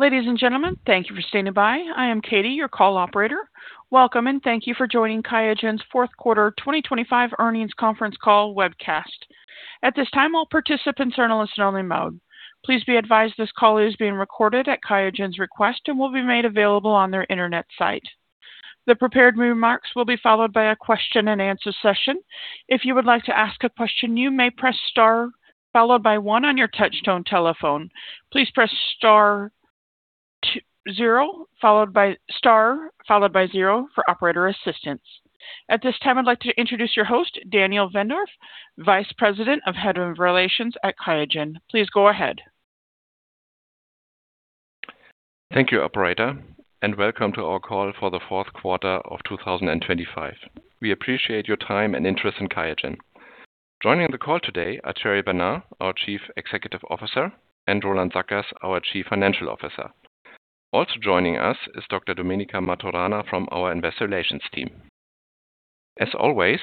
Ladies and gentlemen, thank you for standing by. I am Katie, your call operator. Welcome, and thank you for joining QIAGEN's fourth quarter 2025 earnings conference call webcast. At this time, all participants are in listen-only mode. Please be advised this call is being recorded at QIAGEN's request and will be made available on their internet site. The prepared remarks will be followed by a question-and-answer session. If you would like to ask a question, you may press star followed by one on your touch-tone telephone. Please press star zero followed by star followed by zero for operator assistance. At this time, I'd like to introduce your host, Daniel Wendorff, Vice President and Head of Investor Relations at QIAGEN. Please go ahead. Thank you, operator, and welcome to our call for the fourth quarter of 2025. We appreciate your time and interest in QIAGEN. Joining the call today are Thierry Bernard, our Chief Executive Officer, and Roland Sackers, our Chief Financial Officer. Also joining us is Dr. Domenica Martorana from our Investor Relations team. As always,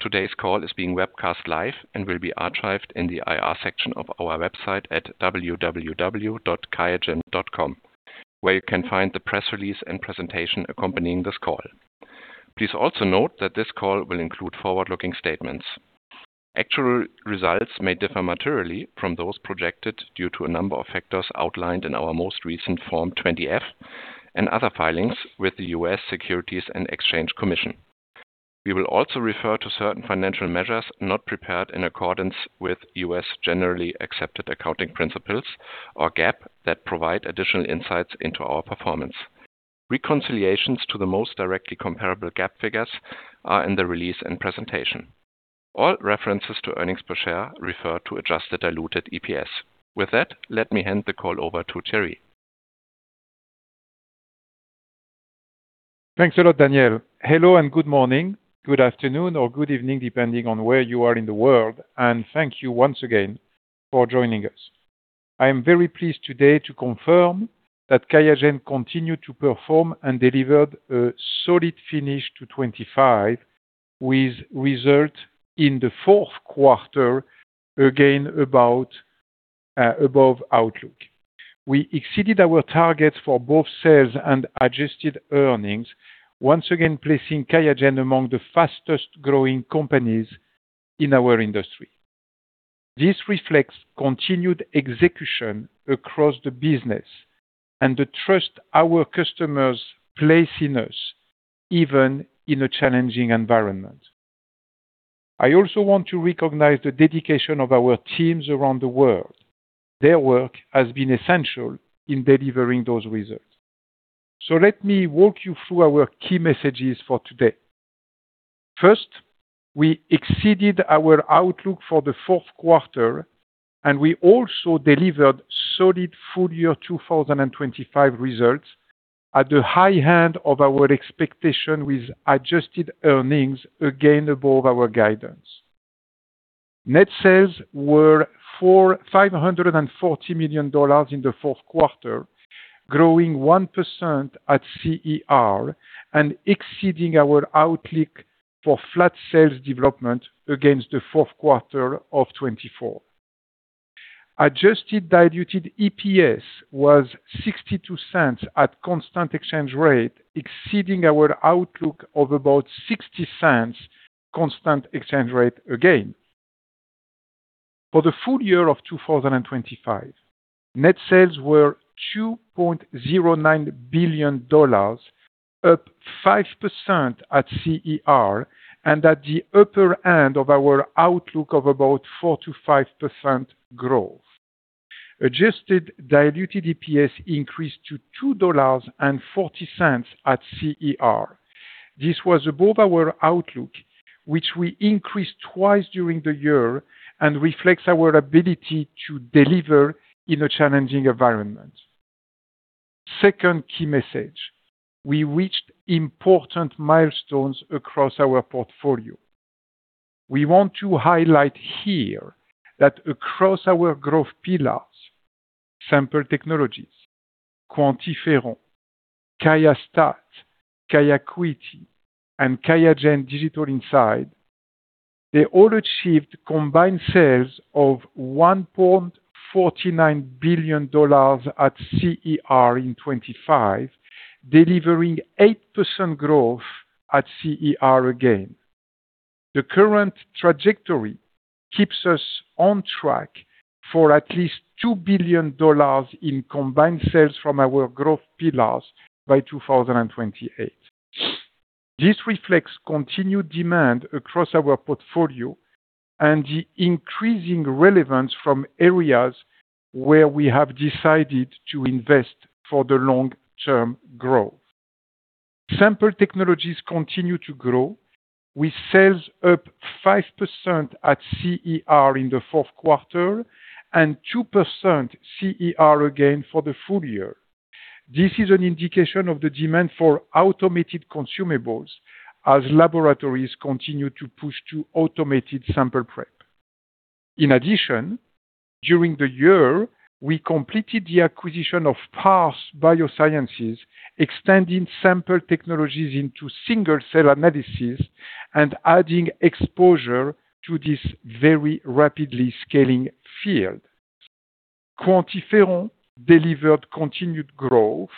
today's call is being webcast live and will be archived in the IR section of our website at www.qiagen.com, where you can find the press release and presentation accompanying this call. Please also note that this call will include forward-looking statements. Actual results may differ materially from those projected due to a number of factors outlined in our most recent Form 20-F and other filings with the U.S. Securities and Exchange Commission. We will also refer to certain financial measures not prepared in accordance with U.S. generally accepted accounting principles or GAAP that provide additional insights into our performance. Reconciliations to the most directly comparable GAAP figures are in the release and presentation. All references to earnings per share refer to adjusted diluted EPS. With that, let me hand the call over to Thierry. Thanks a lot, Daniel. Hello and good morning, good afternoon, or good evening depending on where you are in the world, and thank you once again for joining us. I am very pleased today to confirm that QIAGEN continued to perform and delivered a solid finish to 2025, with results in the fourth quarter again above outlook. We exceeded our targets for both sales and adjusted earnings, once again placing QIAGEN among the fastest-growing companies in our industry. This reflects continued execution across the business and the trust our customers place in us, even in a challenging environment. I also want to recognize the dedication of our teams around the world. Their work has been essential in delivering those results. So let me walk you through our key messages for today. First, we exceeded our outlook for the fourth quarter, and we also delivered solid full-year 2025 results at the high end of our expectation, with adjusted earnings again above our guidance. Net sales were $540 million in the fourth quarter, growing 1% at CER and exceeding our outlook for flat sales development against the fourth quarter of 2024. Adjusted diluted EPS was $0.62 at constant exchange rate, exceeding our outlook of about $0.60 constant exchange rate again. For the full year of 2025, net sales were $2.09 billion, up 5% at CER and at the upper end of our outlook of about 4%-5% growth. Adjusted diluted EPS increased to $2.40 at CER. This was above our outlook, which we increased twice during the year and reflects our ability to deliver in a challenging environment. Second key message: we reached important milestones across our portfolio. We want to highlight here that across our growth pillars: Sample technologies, QuantiFERON, QIAstat-Dx, QIAcuity, and QIAGEN Digital Insights, they all achieved combined sales of $1.49 billion at CER in 2025, delivering 8% growth at CER again. The current trajectory keeps us on track for at least $2 billion in combined sales from our growth pillars by 2028. This reflects continued demand across our portfolio and the increasing relevance from areas where we have decided to invest for the long-term growth. Sample technologies continue to grow, with sales up 5% at CER in the fourth quarter and 2% CER again for the full year. This is an indication of the demand for automated consumables as laboratories continue to push to automated sample prep. In addition, during the year, we completed the acquisition of Parse Biosciences, extending Sample technologies into single-cell analysis and adding exposure to this very rapidly scaling field. QuantiFERON delivered continued growth,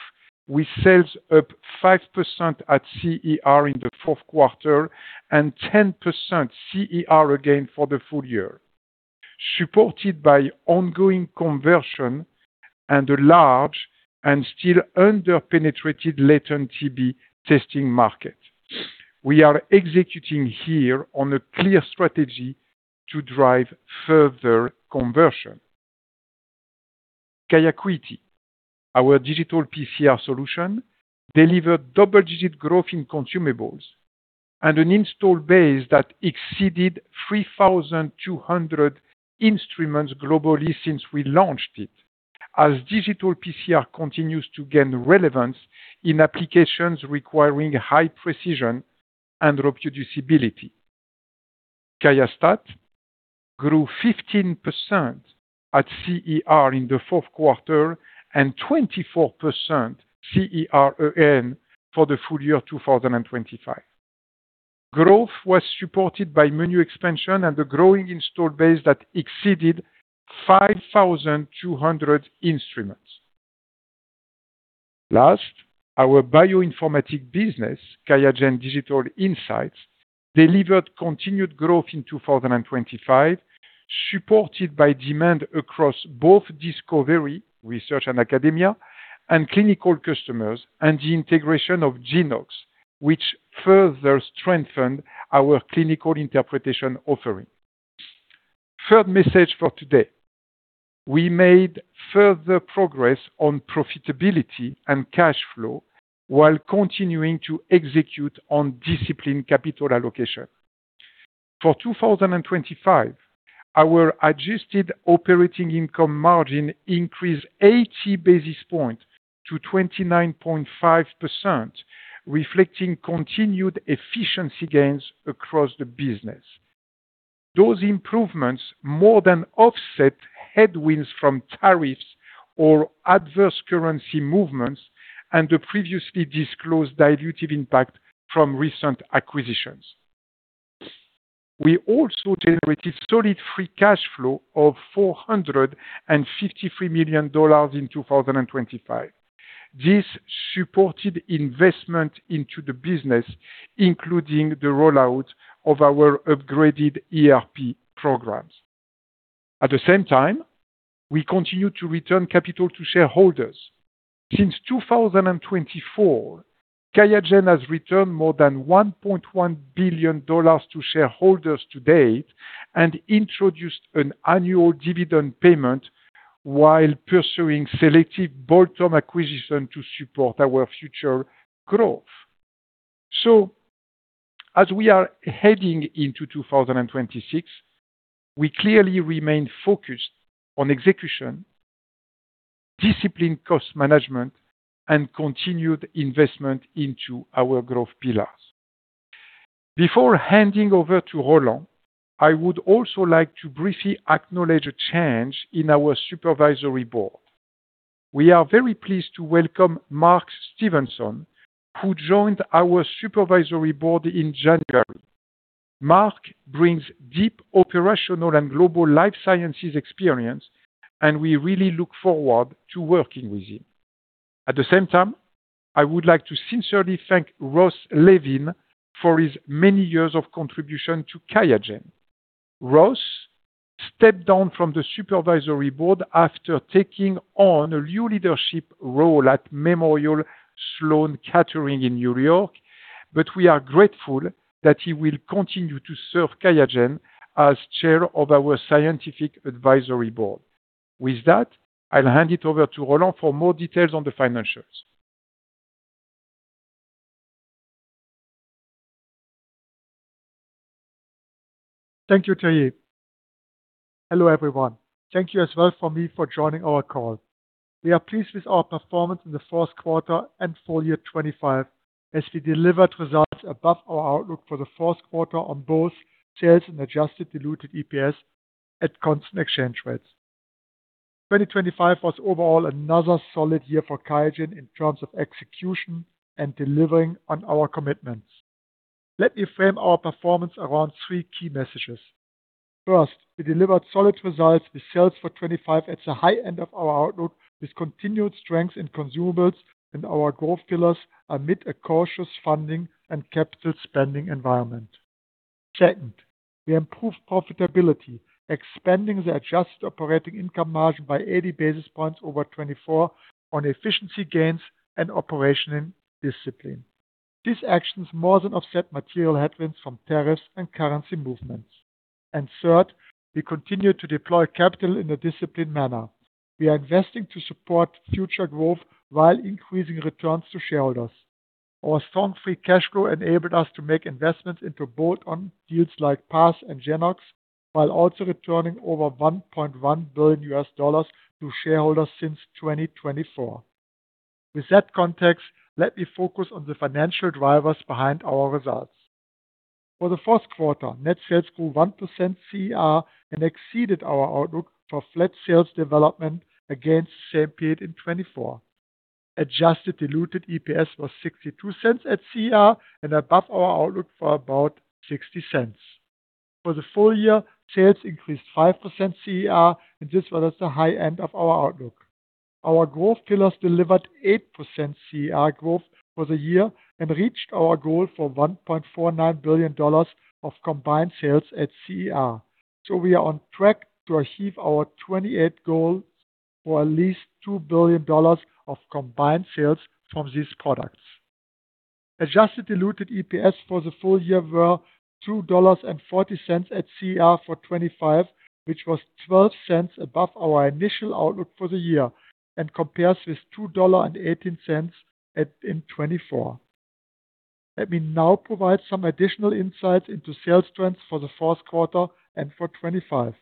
with sales up 5% at CER in the fourth quarter and 10% CER again for the full year, supported by ongoing conversion and a large and still under-penetrated latent TB testing market. We are executing here on a clear strategy to drive further conversion. QIAcuity, our digital PCR solution, delivered double-digit growth in consumables and an install base that exceeded 3,200 instruments globally since we launched it, as digital PCR continues to gain relevance in applications requiring high precision and reproducibility. QIAstat-Dx grew 15% at CER in the fourth quarter and 24% CER again for the full year 2025. Growth was supported by menu expansion and a growing install base that exceeded 5,200 instruments. Last, our bioinformatics business, QIAGEN Digital Insights, delivered continued growth in 2025, supported by demand across both Discovery (research and academia) and clinical customers, and the integration of Genoox, which further strengthened our clinical interpretation offering. Third message for today: we made further progress on profitability and cash flow while continuing to execute on disciplined capital allocation. For 2025, our adjusted operating income margin increased 80 basis points to 29.5%, reflecting continued efficiency gains across the business. Those improvements more than offset headwinds from tariffs or adverse currency movements and the previously disclosed dilutive impact from recent acquisitions. We also generated solid free cash flow of $453 million in 2025. This supported investment into the business, including the rollout of our upgraded ERP programs. At the same time, we continue to return capital to shareholders. Since 2024, QIAGEN has returned more than $1.1 billion to shareholders to date and introduced an annual dividend payment while pursuing selective bolt-on acquisition to support our future growth. So, as we are heading into 2026, we clearly remain focused on execution, disciplined cost management, and continued investment into our growth pillars. Before handing over to Roland, I would also like to briefly acknowledge a change in our supervisory board. We are very pleased to welcome Mark Stevenson, who joined our supervisory board in January. Mark brings deep operational and global life sciences experience, and we really look forward to working with him. At the same time, I would like to sincerely thank Ross Levine for his many years of contribution to QIAGEN. Ross stepped down from the supervisory board after taking on a new leadership role at Memorial Sloan Kettering Cancer Center in New York, but we are grateful that he will continue to serve QIAGEN as chair of our scientific advisory board. With that, I'll hand it over to Roland for more details on the financials. Thank you, Thierry. Hello everyone. Thank you as well from me for joining our call. We are pleased with our performance in the fourth quarter and full year 2025, as we delivered results above our outlook for the fourth quarter on both sales and Adjusted Diluted EPS at constant exchange rates. 2025 was overall another solid year for QIAGEN in terms of execution and delivering on our commitments. Let me frame our performance around three key messages. First, we delivered solid results with sales for 2025 at the high end of our outlook, with continued strength in consumables and our growth pillars amid a cautious funding and capital spending environment. Second, we improved profitability, expanding the adjusted operating income margin by 80 basis points over 2024 on efficiency gains and operational discipline. These actions more than offset material headwinds from tariffs and currency movements. And third, we continue to deploy capital in a disciplined manner. We are investing to support future growth while increasing returns to shareholders. Our strong free cash flow enabled us to make investments into bolt-on deals like Parse and Genoox, while also returning over $1.1 billion to shareholders since 2024. With that context, let me focus on the financial drivers behind our results. For the fourth quarter, net sales grew 1% CER and exceeded our outlook for flat sales development against the same period in 2024. Adjusted diluted EPS was $0.62 at CER and above our outlook for about $0.60. For the full year, sales increased 5% CER, and this was at the high end of our outlook. Our growth pillars delivered 8% CER growth for the year and reached our goal for $1.49 billion of combined sales at CER, so we are on track to achieve our 2028 goal for at least $2 billion of combined sales from these products. Adjusted diluted EPS for the full year were $2.40 at CER for 2025, which was $0.12 above our initial outlook for the year and compares with $2.18 in 2024. Let me now provide some additional insights into sales trends for the fourth quarter and for 2025.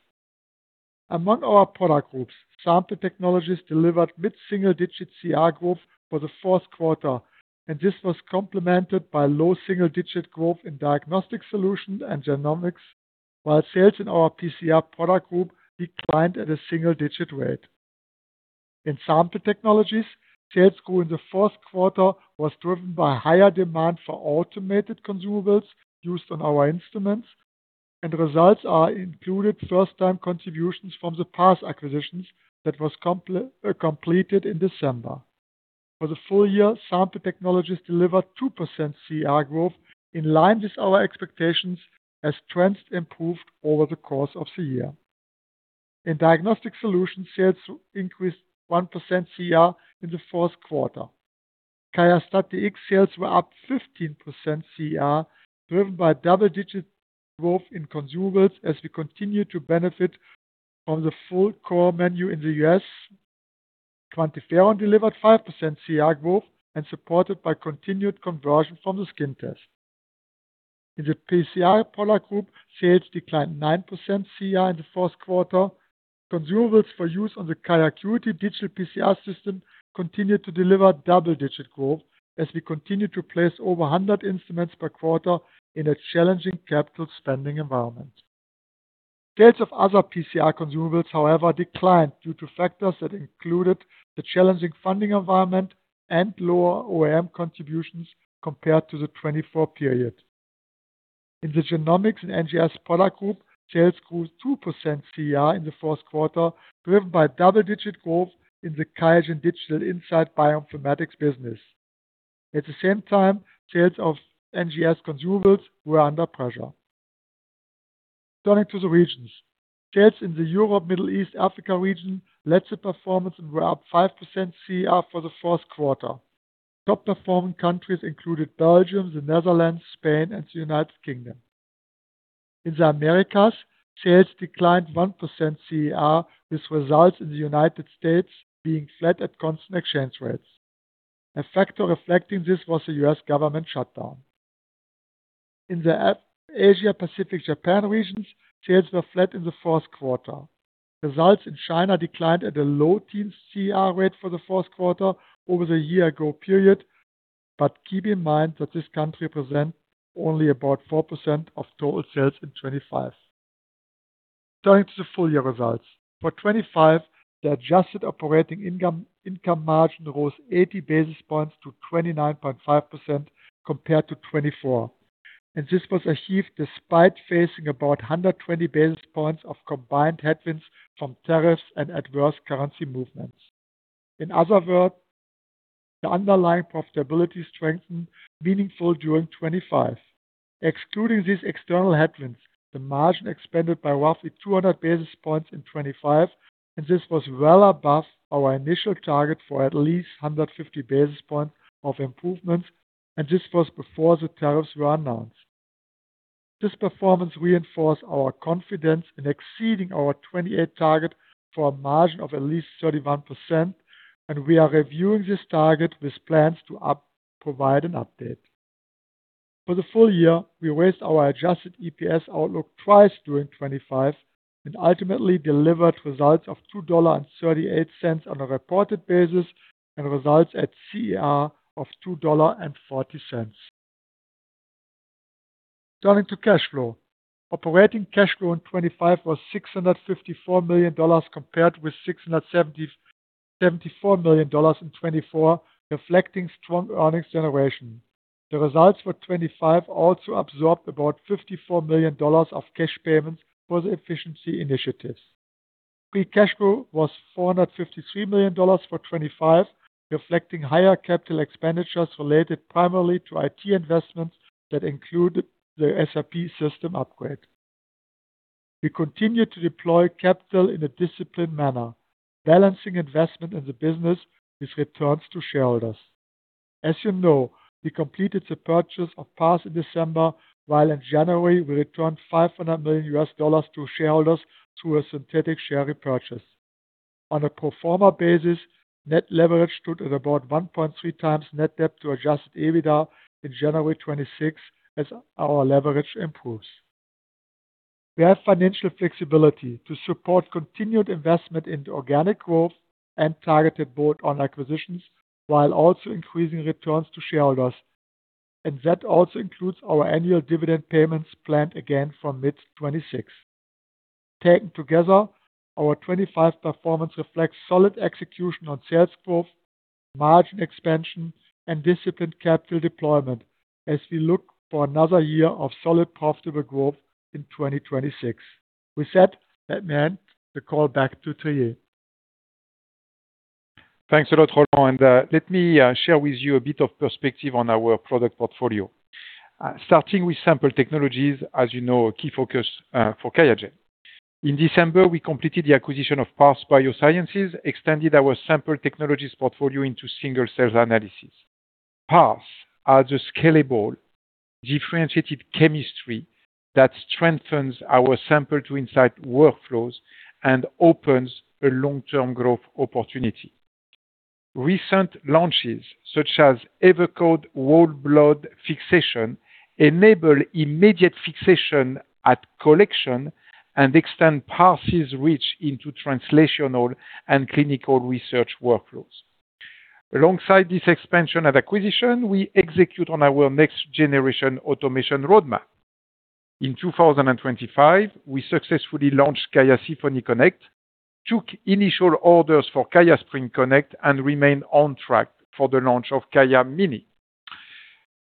Among our product groups, Sample technologies delivered mid-single-digit CER growth for the fourth quarter, and this was complemented by low single-digit growth in Diagnostic Solutions and Genomics, while sales in our PCR product group declined at a single-digit rate. In Sample technologies, sales grew in the fourth quarter was driven by higher demand for automated consumables used on our instruments, and results are included first-time contributions from the Parse acquisitions that were completed in December. For the full year, Sample technologies delivered 2% CER growth, in line with our expectations, as trends improved over the course of the year. In diagnostic solutions, sales increased 1% CER in the fourth quarter. QIAstat-Dx sales were up 15% CER, driven by double-digit growth in consumables as we continue to benefit from the full core menu in the U.S.. QuantiFERON delivered 5% CER growth and supported by continued conversion from the skin test. In the PCR product group, sales declined 9% CER in the fourth quarter. Consumables for use on the QIAcuity digital PCR system continued to deliver double-digit growth as we continue to place over 100 instruments per quarter in a challenging capital spending environment. Sales of other PCR consumables, however, declined due to factors that included the challenging funding environment and lower OEM contributions compared to the 2024 period. In the genomics and NGS product group, sales grew 2% CER in the fourth quarter, driven by double-digit growth in the QIAGEN Digital Insights bioinformatics business. At the same time, sales of NGS consumables were under pressure. Turning to the regions, sales in the Europe, Middle East, and Africa region led the performance and were up 5% CER for the fourth quarter. Top-performing countries included Belgium, the Netherlands, Spain, and the United Kingdom. In the Americas, sales declined 1% CER, with results in the United States being flat at constant exchange rates. A factor reflecting this was the U.S. government shutdown. In the Asia-Pacific-Japan regions, sales were flat in the fourth quarter. Results in China declined at a low-teens CER rate for the fourth quarter over the year ago period, but keep in mind that this country represents only about 4% of total sales in 2025. Turning to the full year results, for 2025, the adjusted operating income margin rose 80 basis points to 29.5% compared to 2024, and this was achieved despite facing about 120 basis points of combined headwinds from tariffs and adverse currency movements. In other words, the underlying profitability strengthened meaningfully during 2025. Excluding these external headwinds, the margin expanded by roughly 200 basis points in 2025, and this was well above our initial target for at least 150 basis points of improvements, and this was before the tariffs were announced. This performance reinforced our confidence in exceeding our 2028 target for a margin of at least 31%, and we are reviewing this target with plans to provide an update. For the full year, we raised our adjusted EPS outlook twice during 2025 and ultimately delivered results of $2.38 on a reported basis and results at CER of $2.40. Turning to cash flow, operating cash flow in 2025 was $654 million compared with $674 million in 2024, reflecting strong earnings generation. The results for 2025 also absorbed about $54 million of cash payments for the efficiency initiatives. Free cash flow was $453 million for 2025, reflecting higher capital expenditures related primarily to IT investments that included the SAP system upgrade. We continue to deploy capital in a disciplined manner, balancing investment in the business with returns to shareholders. As you know, we completed the purchase of Parse in December, while in January we returned $500 million to shareholders through a synthetic share repurchase. On a pro forma basis, net leverage stood at about 1.3x net debt to adjusted EBITDA in January 2026 as our leverage improves. We have financial flexibility to support continued investment in organic growth and targeted bolt-on acquisitions while also increasing returns to shareholders, and that also includes our annual dividend payments planned again from mid-2026. Taken together, our 2025 performance reflects solid execution on sales growth, margin expansion, and disciplined capital deployment as we look for another year of solid profitable growth in 2026. With that, let me end the call back to Thierry. Thanks a lot, Roland, and let me share with you a bit of perspective on our product portfolio. Starting with Sample technologies, as you know, a key focus for QIAGEN. In December, we completed the acquisition of Parse Biosciences, extended our Sample technologies portfolio into single-cell analysis. Parse adds a scalable, differentiated chemistry that strengthens our sample-to-insight workflows and opens a long-term growth opportunity. Recent launches, such as Evercode Whole Blood Fixation, enable immediate fixation at collection and extend Parse's reach into translational and clinical research workflows. Alongside this expansion and acquisition, we execute on our next-generation automation roadmap. In 2025, we successfully launched QIAsymphony Connect, took initial orders for QIAsprint Connect, and remained on track for the launch of QIAmini.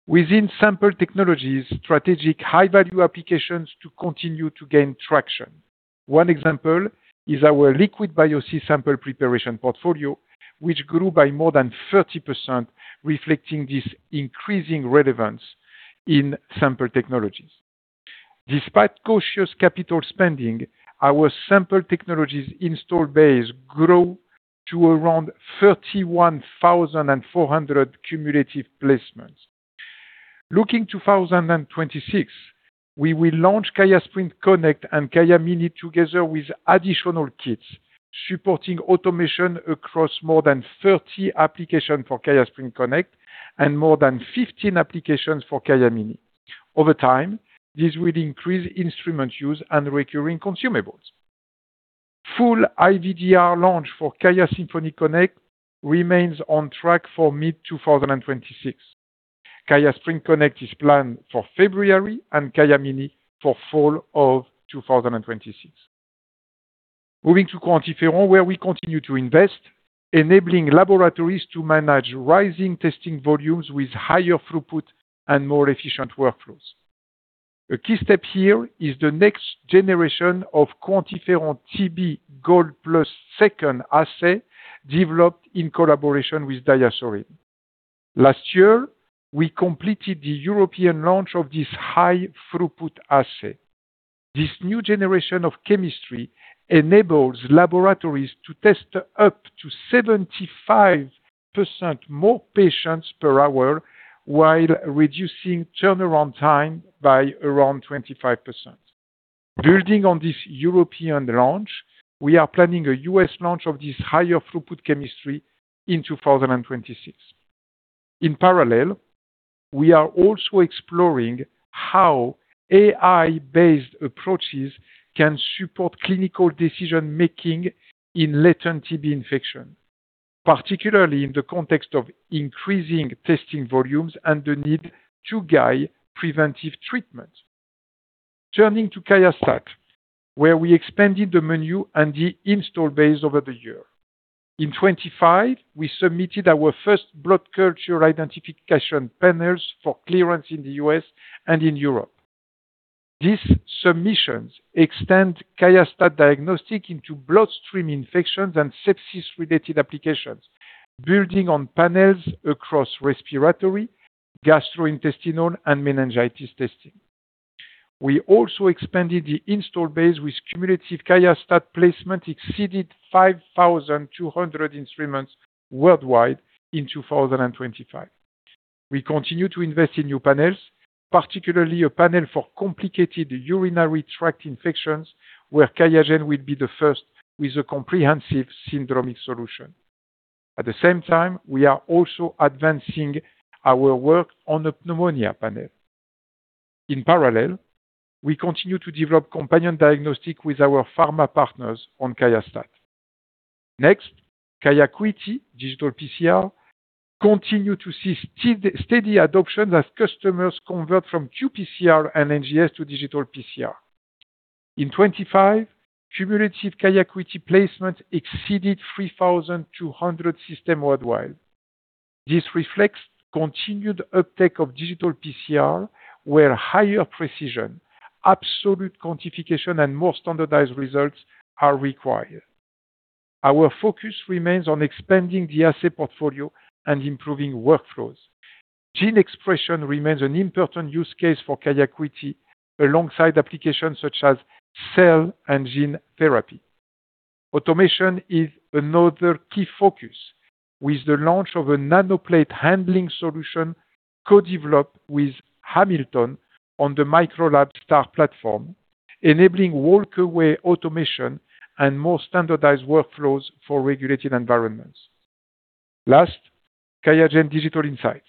Within Sample technologies, strategic high-value applications continue to gain traction. One example is our liquid biopsy sample preparation portfolio, which grew by more than 30%, reflecting this increasing relevance in Sample technologies. Despite cautious capital spending, our Sample technologies install base grew to around 31,400 cumulative placements. Looking to 2026, we will launch QIAsprint Connect and QIAmini together with additional kits, supporting automation across more than 30 applications for QIAsprint Connect and more than 15 applications for QIAmini. Over time, this will increase instrument use and recurring consumables. Full IVDR launch for QIAsymphony Connect remains on track for mid-2026. QIAsprint Connect is planned for February and QIAmini for fall of 2026. Moving to QuantiFERON, where we continue to invest, enabling laboratories to manage rising testing volumes with higher throughput and more efficient workflows. A key step here is the next generation of QuantiFERON-TB Gold Plus II assay, developed in collaboration with DiaSorin. Last year, we completed the European launch of this high-throughput assay. This new generation of chemistry enables laboratories to test up to 75% more patients per hour while reducing turnaround time by around 25%. Building on this European launch, we are planning a U.S. launch of this higher throughput chemistry in 2026. In parallel, we are also exploring how AI-based approaches can support clinical decision-making in latent TB infection, particularly in the context of increasing testing volumes and the need to guide preventive treatment. Turning to QIAstat-Dx, where we expanded the menu and the install base over the year. In 2025, we submitted our first blood culture identification panels for clearance in the U.S. and in Europe. These submissions extend QIAstat-Dx diagnostics into bloodstream infections and sepsis-related applications, building on panels across respiratory, gastrointestinal, and meningitis testing. We also expanded the install base with cumulative QIAstat-Dx placements exceeding 5,200 instruments worldwide in 2025. We continue to invest in new panels, particularly a panel for complicated urinary tract infections, where QIAGEN will be the first with a comprehensive syndromic solution. At the same time, we are also advancing our work on a pneumonia panel. In parallel, we continue to develop companion diagnostics with our pharma partners on QIAstat-Dx. Next, QIAcuity digital PCR continues to see steady adoption as customers convert from qPCR and NGS to digital PCR. In 2025, cumulative QIAcuity placements exceeded 3,200 systems worldwide. This reflects continued uptake of digital PCR, where higher precision, absolute quantification, and more standardized results are required. Our focus remains on expanding the assay portfolio and improving workflows. Gene expression remains an important use case for QIAcuity, alongside applications such as cell and gene therapy. Automation is another key focus, with the launch of a nanoplate handling solution co-developed with Hamilton on the Microlab STAR platform, enabling walk-away automation and more standardized workflows for regulated environments. Last, QIAGEN Digital Insights,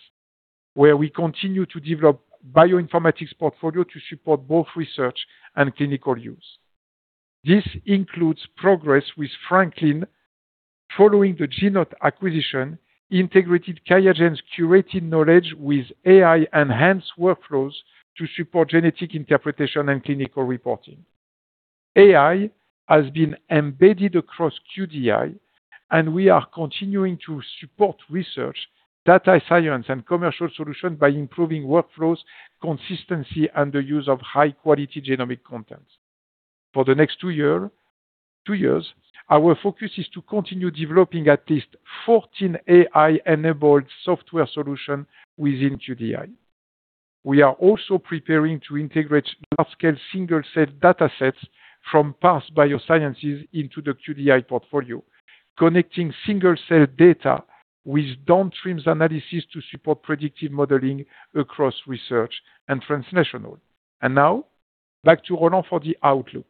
where we continue to develop a bioinformatics portfolio to support both research and clinical use. This includes progress with Franklin. Following the Genoox acquisition, we integrated QIAGEN's curated knowledge with AI-enhanced workflows to support genetic interpretation and clinical reporting. AI has been embedded across QDI, and we are continuing to support research, data science, and commercial solutions by improving workflow consistency and the use of high-quality genomic content. For the next two years, our focus is to continue developing at least 14 AI-enabled software solutions within QDI. We are also preparing to integrate large-scale single-cell datasets from Parse Biosciences into the QDI portfolio, connecting single-cell data with downstream analysis to support predictive modeling across research and translational. Now, back to Roland for the outlook.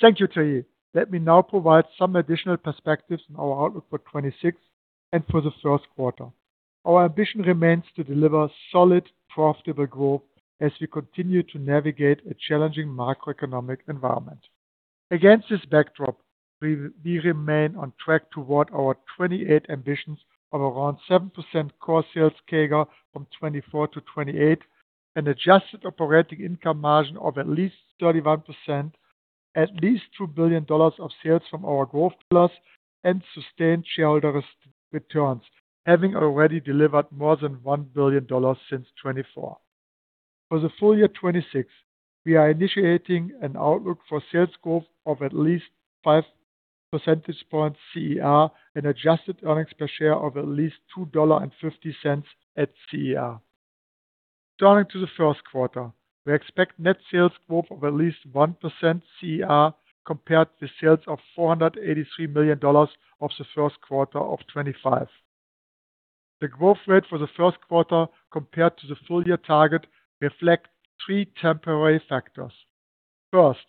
Thank you, Thierry. Let me now provide some additional perspectives on our outlook for 2026 and for the first quarter. Our ambition remains to deliver solid, profitable growth as we continue to navigate a challenging macroeconomic environment. Against this backdrop, we remain on track toward our 2028 ambitions of around 7% core sales CAGR from 2024 to 2028, an adjusted operating income margin of at least 31%, at least $2 billion of sales from our growth pillars, and sustained shareholder returns, having already delivered more than $1 billion since 2024. For the full year 2026, we are initiating an outlook for sales growth of at least 5 percentage points CER and adjusted earnings per share of at least $2.50 at CER. Turning to the first quarter, we expect net sales growth of at least 1% CER compared with sales of $483 million of the first quarter of 2025. The growth rate for the first quarter compared to the full year target reflects three temporary factors. First,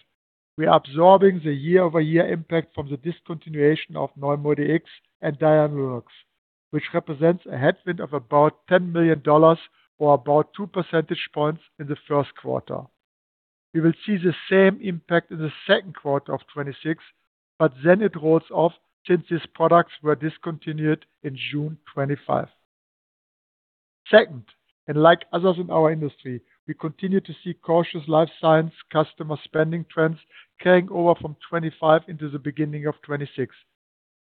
we are absorbing the year-over-year impact from the discontinuation of NeuMoDx and Dialunox, which represents a headwind of about $10 million or about 2 percentage points in the first quarter. We will see the same impact in the second quarter of 2026, but then it rolls off since these products were discontinued in June 2025. Second, and like others in our industry, we continue to see cautious life science customer spending trends carrying over from 2025 into the beginning of 2026.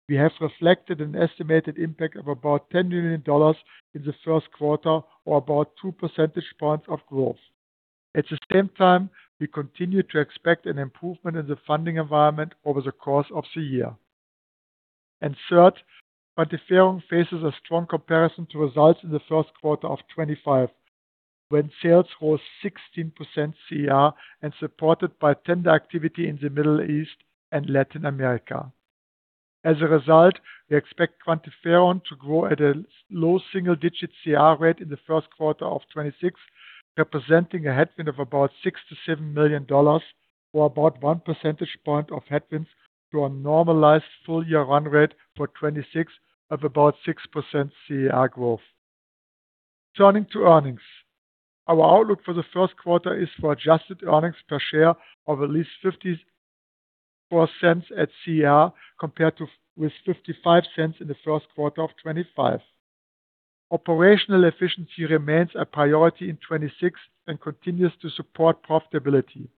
We have reflected an estimated impact of about $10 million in the first quarter or about 2 percentage points of growth. At the same time, we continue to expect an improvement in the funding environment over the course of the year. And third, QuantiFERON faces a strong comparison to results in the first quarter of 2025, when sales rose 16% CER and supported by tender activity in the Middle East and Latin America. As a result, we expect QuantiFERON to grow at a low single-digit CER rate in the first quarter of 2026, representing a headwind of about $6 million-$7 million or about 1 percentage point of headwinds to a normalized full-year run rate for 2026 of about 6% CER growth. Turning to earnings, our outlook for the first quarter is for adjusted earnings per share of at least $0.54 at CER compared with $0.55 in the first quarter of 2025. Operational efficiency remains a priority in 2026 and continues to support profitability.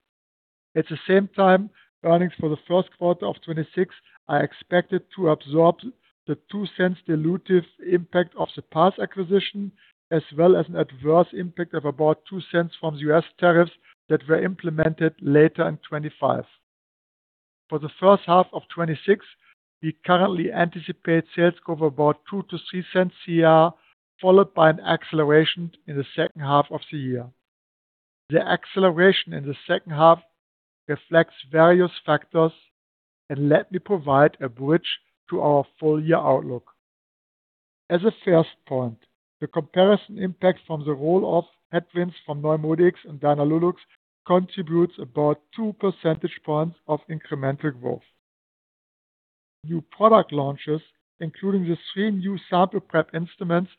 At the same time, earnings for the first quarter of 2026 are expected to absorb the $0.02 dilutive impact of the Parse acquisition, as well as an adverse impact of about $0.02 from U.S. tariffs that were implemented later in 2025. For the first half of 2026, we currently anticipate sales growth of about $0.02-$0.03 CER, followed by an acceleration in the second half of the year. The acceleration in the second half reflects various factors, and let me provide a bridge to our full-year outlook. As a first point, the comparison impact from the roll-off headwinds from NeuMoDx and Dialunox contributes about 2 percentage points of incremental growth. New product launches, including the three new sample prep instruments,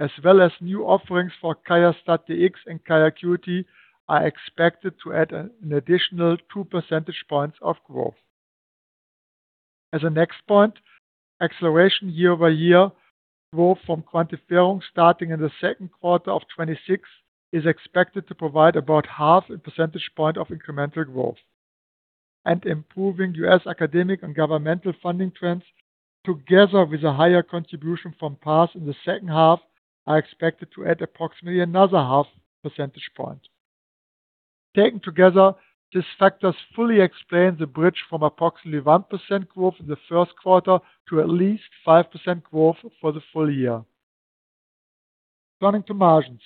as well as new offerings for QIAstat-Dx and QIAcuity, are expected to add an additional 2 percentage points of growth. As a next point, acceleration year-over-year growth from QuantiFERON starting in the second quarter of 2026 is expected to provide about half a percentage point of incremental growth. Improving U.S. academic and governmental funding trends, together with a higher contribution from Parse in the second half, are expected to add approximately another half percentage point. Taken together, these factors fully explain the bridge from approximately 1% growth in the first quarter to at least 5% growth for the full year. Turning to margins,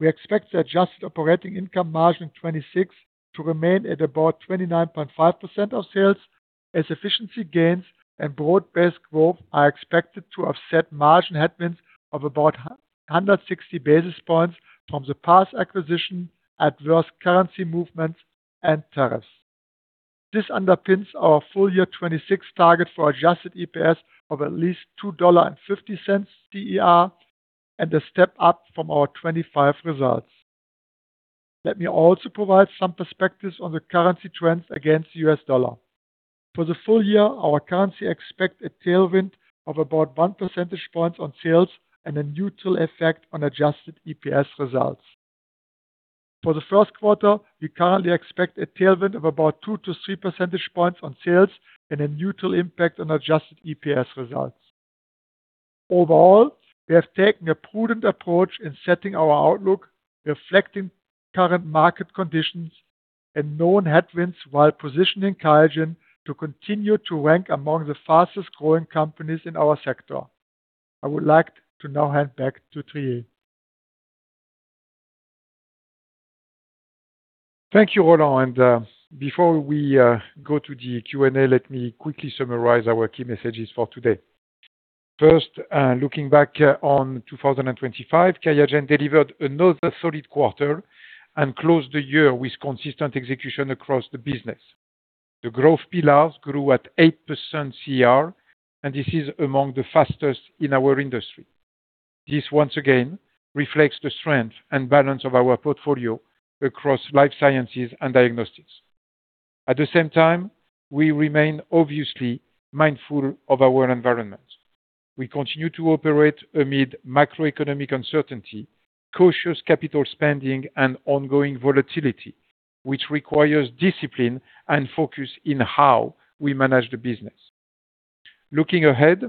we expect the adjusted operating income margin in 2026 to remain at about 29.5% of sales, as efficiency gains and broad-based growth are expected to offset margin headwinds of about 160 basis points from the Parse acquisition, adverse currency movements, and tariffs. This underpins our full-year 2026 target for adjusted EPS of at least $2.50 CER and a step up from our 2025 results. Let me also provide some perspectives on the currency trends against the U.S. dollar. For the full year, our currency expects a tailwind of about 1 percentage point on sales and a neutral effect on adjusted EPS results. For the first quarter, we currently expect a tailwind of about 2-3 percentage points on sales and a neutral impact on adjusted EPS results. Overall, we have taken a prudent approach in setting our outlook, reflecting current market conditions, and known headwinds while positioning QIAGEN to continue to rank among the fastest-growing companies in our sector. I would like to now hand back to Thierry. Thank you, Roland. Before we go to the Q&A, let me quickly summarize our key messages for today. First, looking back on 2025, QIAGEN delivered another solid quarter and closed the year with consistent execution across the business. The growth pillars grew at 8% CER, and this is among the fastest in our industry. This, once again, reflects the strength and balance of our portfolio across life sciences and diagnostics. At the same time, we remain obviously mindful of our environment. We continue to operate amid macroeconomic uncertainty, cautious capital spending, and ongoing volatility, which requires discipline and focus in how we manage the business. Looking ahead,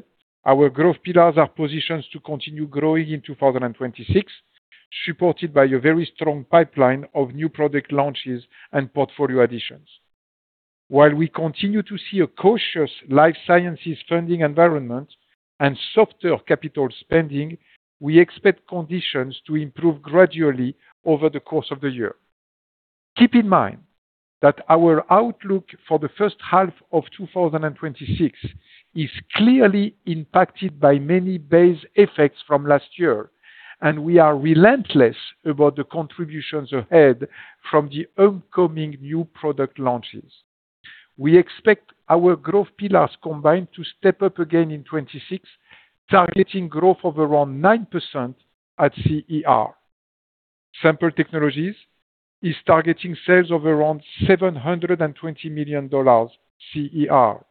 our growth pillars are positioned to continue growing in 2026, supported by a very strong pipeline of new product launches and portfolio additions. While we continue to see a cautious life sciences funding environment and softer capital spending, we expect conditions to improve gradually over the course of the year. Keep in mind that our outlook for the first half of 2026 is clearly impacted by many base effects from last year, and we are relentless about the contributions ahead from the upcoming new product launches. We expect our growth pillars combined to step up again in 2026, targeting growth of around 9% at CER. Sample technologies is targeting sales of around $720 million at CER,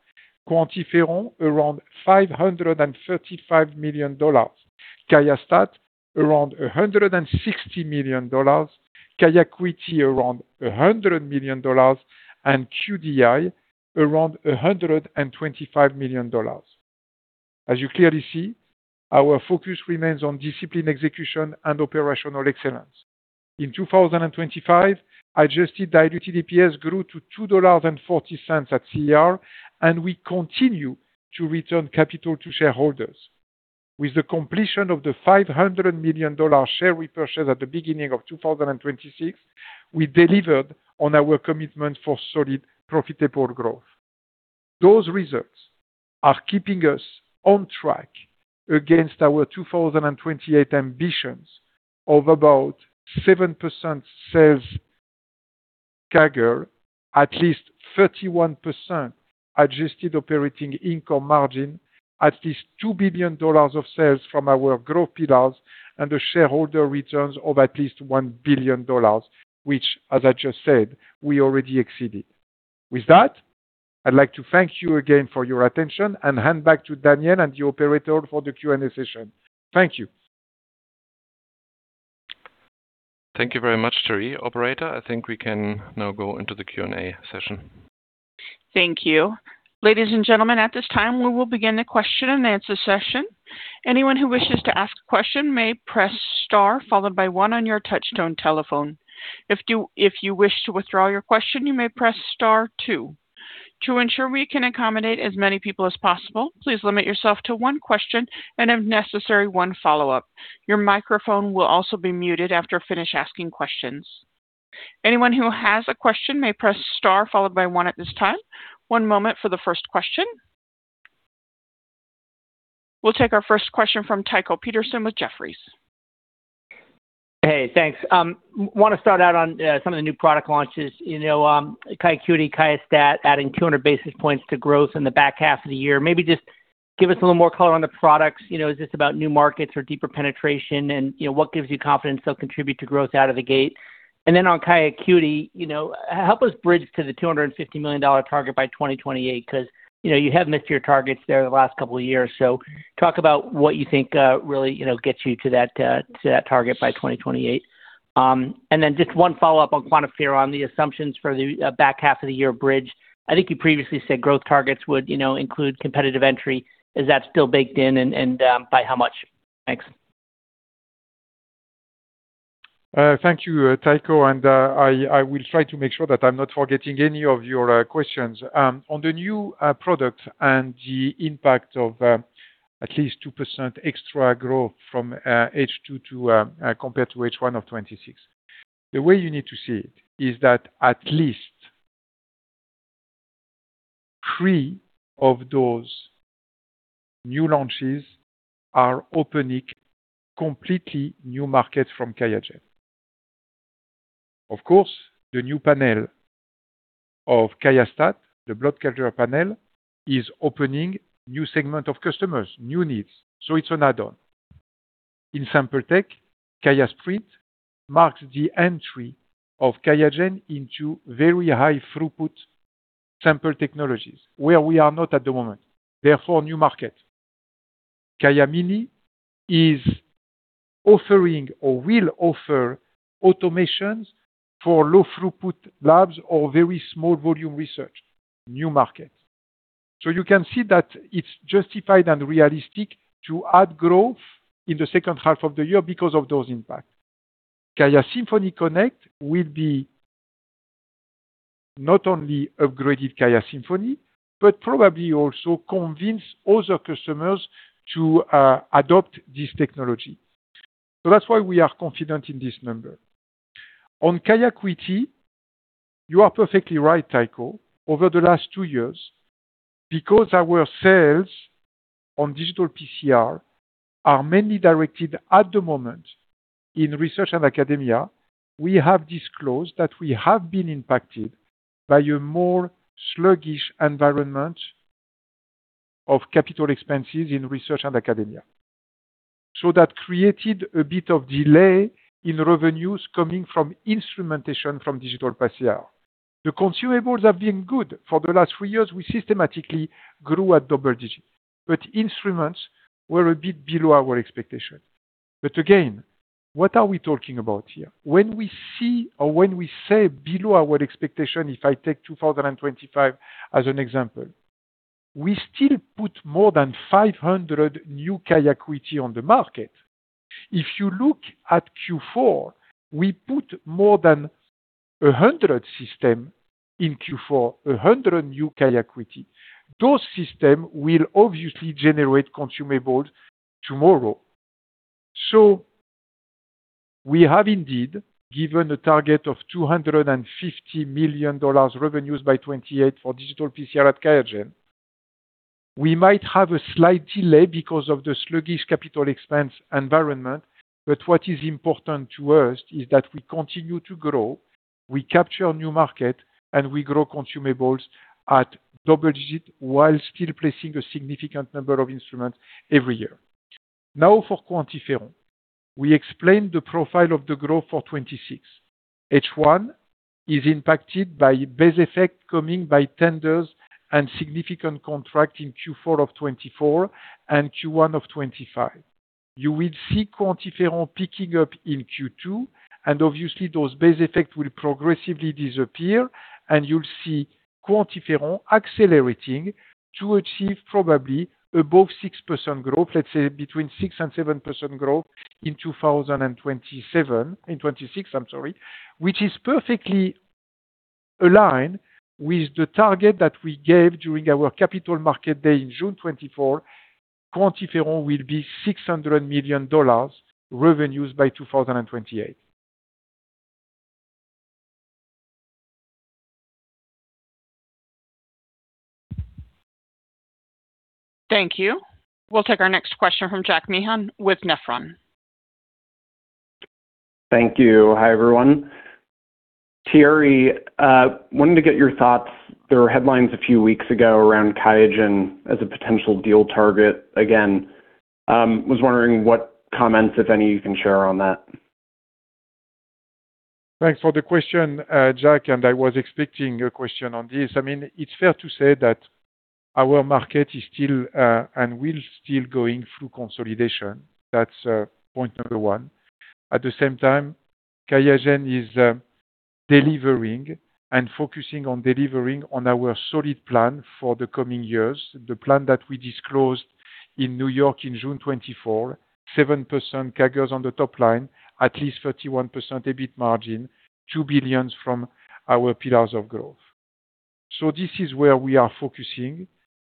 QuantiFERON around $535 million, QIAstat around $160 million, QIAcuity around $100 million, and QDI around $125 million. As you clearly see, our focus remains on disciplined execution and operational excellence. In 2025, adjusted diluted EPS grew to $2.40 at CER, and we continue to return capital to shareholders. With the completion of the $500 million share repurchase at the beginning of 2026, we delivered on our commitment for solid, profitable growth. Those results are keeping us on track against our 2028 ambitions of about 7% sales CAGR, at least 31% adjusted operating income margin, at least $2 billion of sales from our growth pillars, and the shareholder returns of at least $1 billion, which, as I just said, we already exceeded. With that, I'd like to thank you again for your attention and hand back to Daniel and the operator for the Q&A session. Thank you. Thank you very much, Thierry. Operator, I think we can now go into the Q&A session. Thank you. Ladies and gentlemen, at this time, we will begin the question-and-answer session. Anyone who wishes to ask a question may press star followed by one on your touch-tone telephone. If you wish to withdraw your question, you may press star two. To ensure we can accommodate as many people as possible, please limit yourself to one question and, if necessary, one follow-up. Your microphone will also be muted after I finish asking questions. Anyone who has a question may press star followed by one at this time. One moment for the first question. We'll take our first question from Tycho Peterson with Jefferies. Hey, thanks. Want to start out on some of the new product launches. QIAcuity, QIAstat adding 200 basis points to growth in the back half of the year. Maybe just give us a little more color on the products. Is this about new markets or deeper penetration, and what gives you confidence they'll contribute to growth out of the gate? And then on QIAcuity, help us bridge to the $250 million target by 2028 because you have missed your targets there the last couple of years. So talk about what you think really gets you to that target by 2028. And then just one follow-up on QuantiFERON, the assumptions for the back half of the year bridge. I think you previously said growth targets would include competitive entry. Is that still baked in, and by how much? Thanks. Thank you, Tycho. I will try to make sure that I'm not forgetting any of your questions. On the new product and the impact of at least 2% extra growth from H2 compared to H1 of 2026, the way you need to see it is that at least three of those new launches are opening completely new markets for QIAGEN. Of course, the new panel of QIAstat, the Blood Culture panel, is opening new segments of customers, new needs. So it's an add-on. In Sample tech, QIAsprint marks the entry of QIAGEN into very high-throughput Sample technologies, where we are not at the moment. Therefore, new market. QIAmini is offering or will offer automations for low-throughput labs or very small-volume research. New market. So you can see that it's justified and realistic to add growth in the second half of the year because of those impacts. QIAsymphony Connect will be not only upgrading QIAsymphony, but probably also convincing other customers to adopt this technology. So that's why we are confident in this number. On QIAcuity, you are perfectly right, Tycho, over the last two years, because our sales on digital PCR are mainly directed at the moment in research and academia, we have disclosed that we have been impacted by a more sluggish environment of capital expenses in research and academia. So that created a bit of delay in revenues coming from instrumentation from digital PCR. The consumables have been good. For the last three years, we systematically grew at double digits. But instruments were a bit below our expectation. But again, what are we talking about here? When we see or when we say below our expectation, if I take 2025 as an example, we still put more than 500 new QIAcuity on the market. If you look at Q4, we put more than 100 systems in Q4, 100 new QIAcuity. Those systems will obviously generate consumables tomorrow. So we have indeed given a target of $250 million revenues by 2028 for digital PCR at QIAGEN. We might have a slight delay because of the sluggish capital expense environment, but what is important to us is that we continue to grow, we capture new markets, and we grow consumables at double digits while still placing a significant number of instruments every year. Now, for QuantiFERON, we explained the profile of the growth for 2026. H1 is impacted by base effects coming by tenders and significant contracts in Q4 of 2024 and Q1 of 2025. You will see QuantiFERON picking up in Q2, and obviously, those base effects will progressively disappear, and you'll see QuantiFERON accelerating to achieve probably above 6% growth, let's say between 6%-7% growth in 2026, I'm sorry, which is perfectly aligned with the target that we gave during our Capital Markets Day in June 2024. QuantiFERON will be $600 million revenues by 2028. Thank you. We'll take our next question from Jack Meehan with Nephron. Thank you. Hi, everyone. Thierry, wanted to get your thoughts. There were headlines a few weeks ago around QIAGEN as a potential deal target. Again, was wondering what comments, if any, you can share on that? Thanks for the question, Jack. I was expecting a question on this. I mean, it's fair to say that our market is still and will still be going through consolidation. That's point number one. At the same time, QIAGEN is delivering and focusing on delivering on our solid plan for the coming years, the plan that we disclosed in New York in June 2024: 7% CAGRs on the top line, at least 31% EBIT margin, $2 billion from our pillars of growth. This is where we are focusing.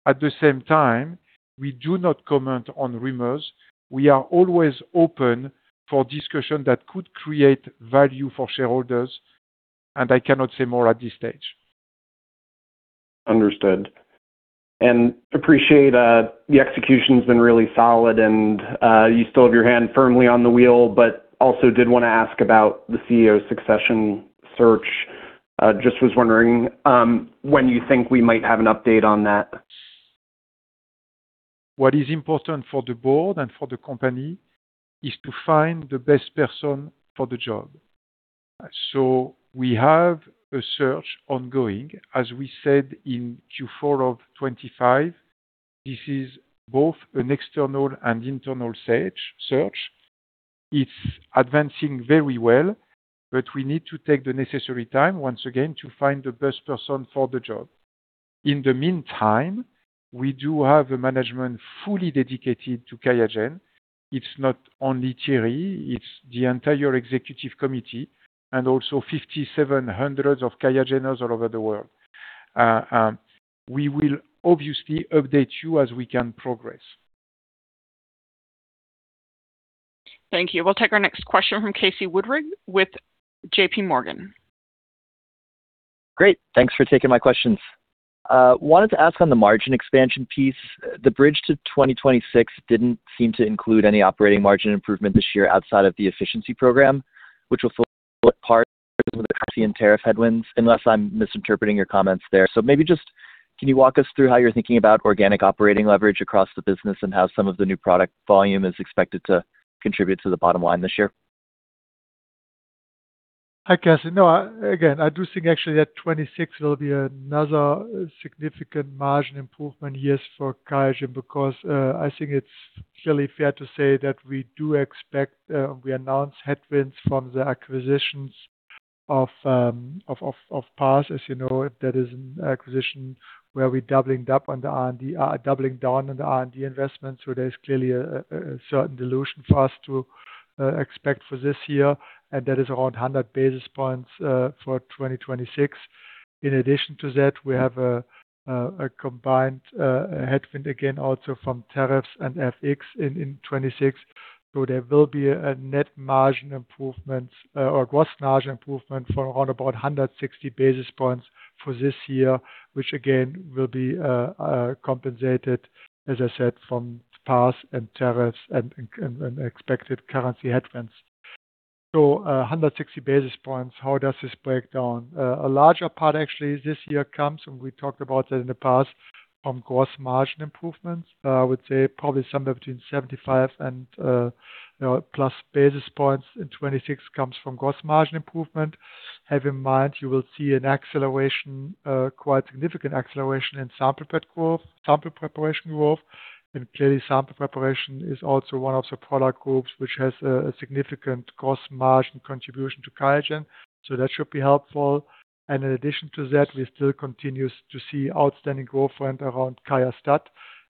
At the same time, we do not comment on rumors. We are always open for discussion that could create value for shareholders. I cannot say more at this stage. Understood. Appreciate the execution has been really solid. You still have your hand firmly on the wheel, but also did want to ask about the CEO succession search. Just was wondering when you think we might have an update on that. What is important for the board and for the company is to find the best person for the job. So we have a search ongoing. As we said in Q4 of 2025, this is both an external and internal search. It's advancing very well, but we need to take the necessary time, once again, to find the best person for the job. In the meantime, we do have a management fully dedicated to QIAGEN. It's not only Thierry. It's the entire executive committee and also 5,700 QIAGENers all over the world. We will obviously update you as we can progress. Thank you. We'll take our next question from Casey Woodring with JPMorgan. Great. Thanks for taking my questions. Wanted to ask on the margin expansion piece. The bridge to 2026 didn't seem to include any operating margin improvement this year outside of the efficiency program, which will fall apart with the currency and tariff headwinds, unless I'm misinterpreting your comments there. So maybe just can you walk us through how you're thinking about organic operating leverage across the business and how some of the new product volume is expected to contribute to the bottom line this year? I guess, no. Again, I do think, actually, that 2026 will be another significant margin improvement year for QIAGEN because I think it's clearly fair to say that we do expect we announce headwinds from the acquisitions of Parse. As you know, that is an acquisition where we're doubling down on the R&D investments. So there's clearly a certain dilution for us to expect for this year. And that is around 100 basis points for 2026. In addition to that, we have a combined headwind, again, also from tariffs and FX in 2026. So there will be a net margin improvement or gross margin improvement from around about 160 basis points for this year, which, again, will be compensated, as I said, from Parse and tariffs and expected currency headwinds. So 160 basis points, how does this break down? A larger part, actually, this year comes, and we talked about that in the past, from gross margin improvements. I would say probably somewhere between 75+ basis points in 2026 comes from gross margin improvement. Have in mind you will see an acceleration, quite significant acceleration in sample preparation growth. And clearly, sample preparation is also one of the product groups which has a significant gross margin contribution to QIAGEN. So that should be helpful. And in addition to that, we still continue to see outstanding growth around QIAstat.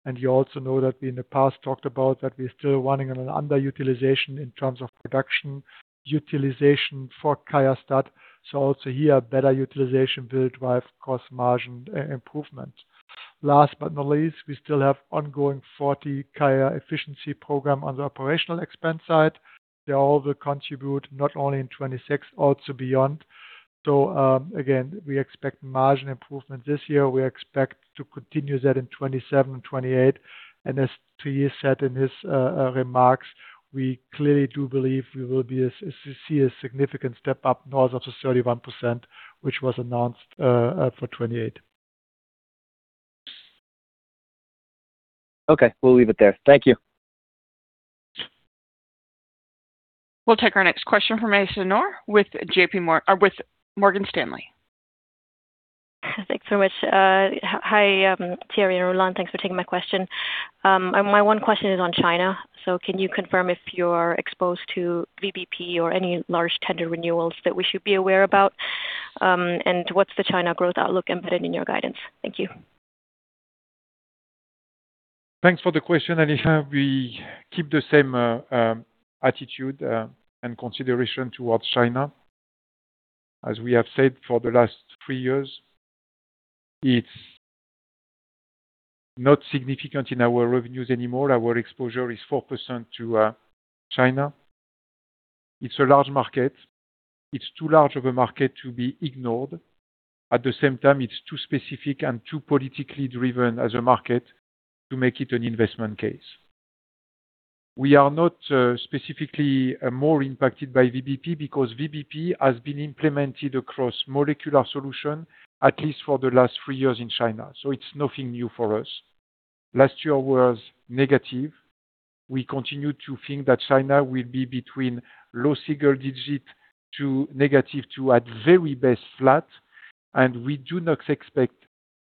And you also know that we, in the past, talked about that we're still running on an underutilization in terms of production utilization for QIAstat. So also here, better utilization will drive gross margin improvement. Last but not least, we still have ongoing 40 QIAGEN efficiency programs on the operational expense side. They all will contribute not only in 2026, also beyond. So again, we expect margin improvement this year. We expect to continue that in 2027 and 2028. And as Thierry said in his remarks, we clearly do believe we will see a significant step up north of the 31% which was announced for 2028. Okay. We'll leave it there. Thank you. We'll take our next question from Aisyah Noor with Morgan Stanley. Thanks so much. Hi, Thierry and Roland. Thanks for taking my question. My one question is on China. So can you confirm if you're exposed to VBP or any large tender renewals that we should be aware about? And what's the China growth outlook embedded in your guidance? Thank you. Thanks for the question, Aisyah. We keep the same attitude and consideration towards China. As we have said for the last three years, it's not significant in our revenues anymore. Our exposure is 4% to China. It's a large market. It's too large of a market to be ignored. At the same time, it's too specific and too politically driven as a market to make it an investment case. We are not specifically more impacted by VBP because VBP has been implemented across molecular solutions, at least for the last three years in China. So it's nothing new for us. Last year was negative. We continue to think that China will be between low single digit to negative to, at very best, flat. And we do not expect,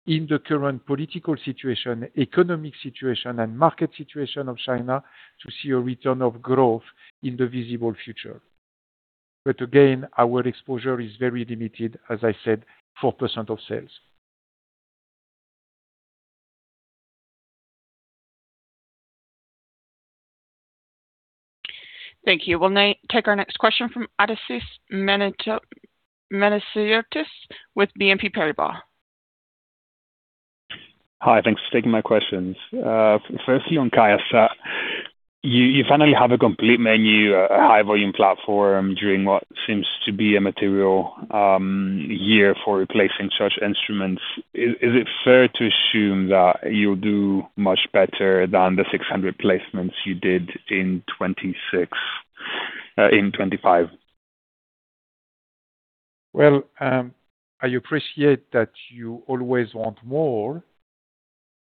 in the current political situation, economic situation, and market situation of China, to see a return of growth in the visible future. But again, our exposure is very limited, as I said, 4% of sales. Thank you. We'll take our next question from Odysseas Manesiotis with BNP Paribas. Hi. Thanks for taking my questions. Firstly, on QIAstat-Dx, you finally have a complete menu, a high-volume platform during what seems to be a material year for replacing such instruments. Is it fair to assume that you'll do much better than the 600 placements you did in 2025? Well, I appreciate that you always want more.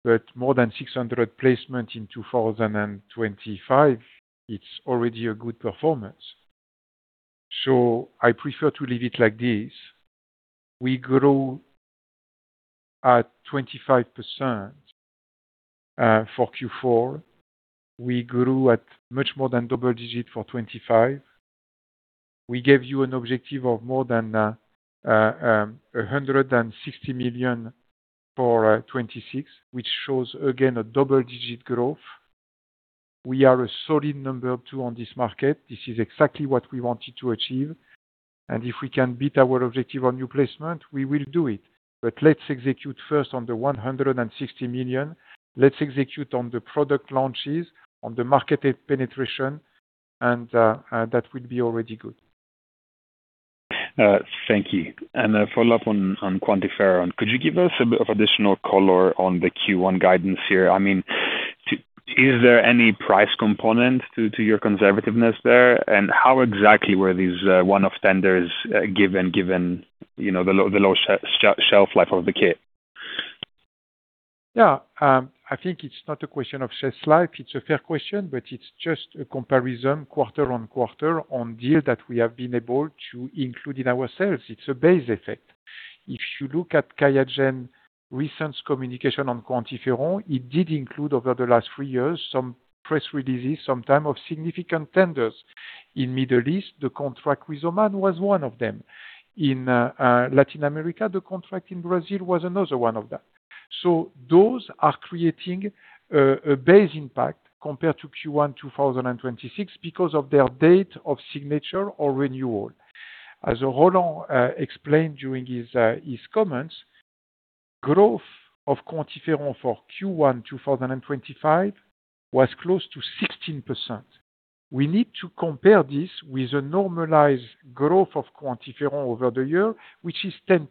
But more than 600 placements in 2025, it's already a good performance. So I prefer to leave it like this. We grew at 25% for Q4. We grew at much more than double-digit for 2025. We gave you an objective of more than $160 million for 2026, which shows, again, a double-digit growth. We are a solid number two on this market. This is exactly what we wanted to achieve. And if we can beat our objective on new placements, we will do it. But let's execute first on the $160 million. Let's execute on the product launches, on the market penetration. And that will be already good. Thank you. And a follow-up on QuantiFERON. Could you give us a bit of additional color on the Q1 guidance here? I mean, is there any price component to your conservativeness there? And how exactly were these one-off tenders given, given the low shelf life of the kit? Yeah. I think it's not a question of shelf life. It's a fair question. But it's just a comparison quarter on quarter on deal that we have been able to include in our sales. It's a base effect. If you look at QIAGEN's recent communication on QuantiFERON, it did include, over the last 3 years, some press releases, sometimes, of significant tenders. In the Middle East, the contract with Oman was one of them. In Latin America, the contract in Brazil was another one of them. So those are creating a base impact compared to Q1 2026 because of their date of signature or renewal. As Roland explained during his comments, growth of QuantiFERON for Q1 2025 was close to 16%. We need to compare this with the normalized growth of QuantiFERON over the year, which is 10%.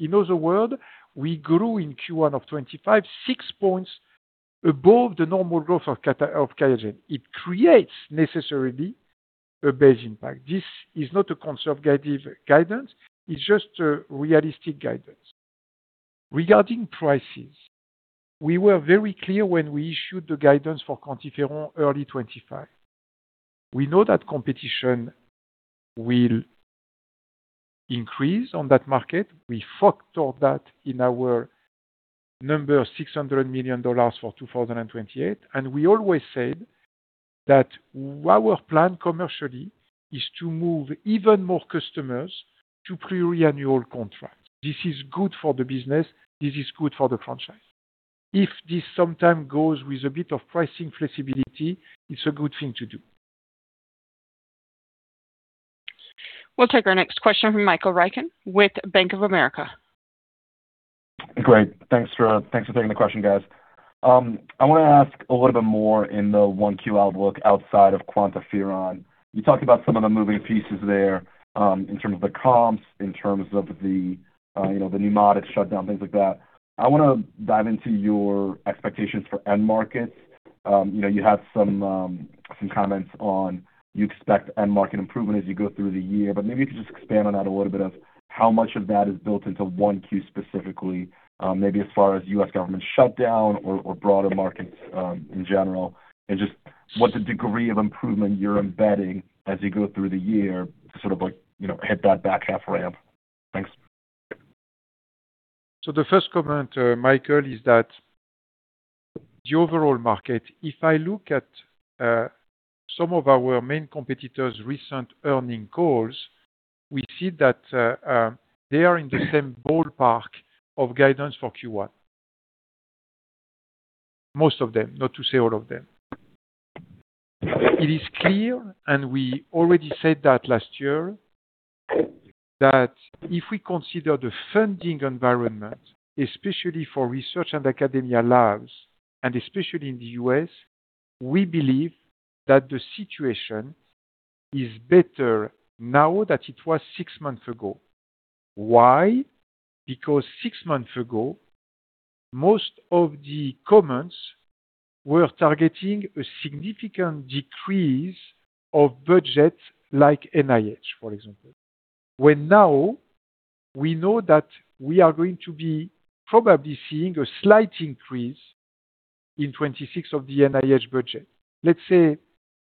In other words, we grew in Q1 of 2025 six points above the normal growth of QIAGEN. It creates, necessarily, a base impact. This is not a conservative guidance. It's just a realistic guidance. Regarding prices, we were very clear when we issued the guidance for QuantiFERON early 2025. We know that competition will increase on that market. We factored that in our number, $600 million for 2028. And we always said that our plan commercially is to move even more customers to pre-renewal contracts. This is good for the business. This is good for the franchise. If this sometime goes with a bit of pricing flexibility, it's a good thing to do. We'll take our next question from Michael Ryskin with Bank of America. Great. Thanks for taking the question, guys. I want to ask a little bit more in the 1Q outlook outside of QuantiFERON. You talked about some of the moving pieces there in terms of the comps, in terms of the new market shutdown, things like that. I want to dive into your expectations for end markets. You had some comments on you expect end market improvement as you go through the year. But maybe you could just expand on that a little bit of how much of that is built into 1Q specifically, maybe as far as U.S. government shutdown or broader markets in general, and just what the degree of improvement you're embedding as you go through the year to sort of hit that back half ramp. Thanks. So the first comment, Michael, is that the overall market, if I look at some of our main competitors' recent earnings calls, we see that they are in the same ballpark of guidance for Q1, most of them, not to say all of them. It is clear, and we already said that last year, that if we consider the funding environment, especially for research and academia labs and especially in the U.S., we believe that the situation is better now than it was six months ago. Why? Because six months ago, most of the comments were targeting a significant decrease of budget, like NIH, for example, when now we know that we are going to be probably seeing a slight increase in 2026 of the NIH budget, let's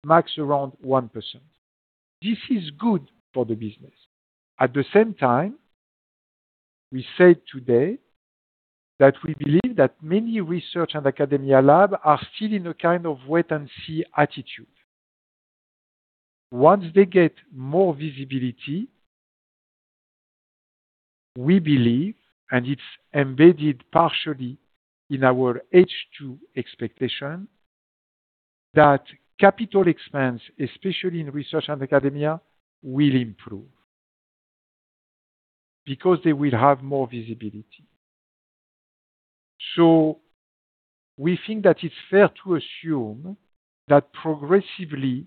say max around 1%. This is good for the business. At the same time, we say today that we believe that many research and academia labs are still in a kind of wait-and-see attitude. Once they get more visibility, we believe, and it's embedded partially in our H2 expectation, that capital expense, especially in research and academia, will improve because they will have more visibility. So we think that it's fair to assume that progressively,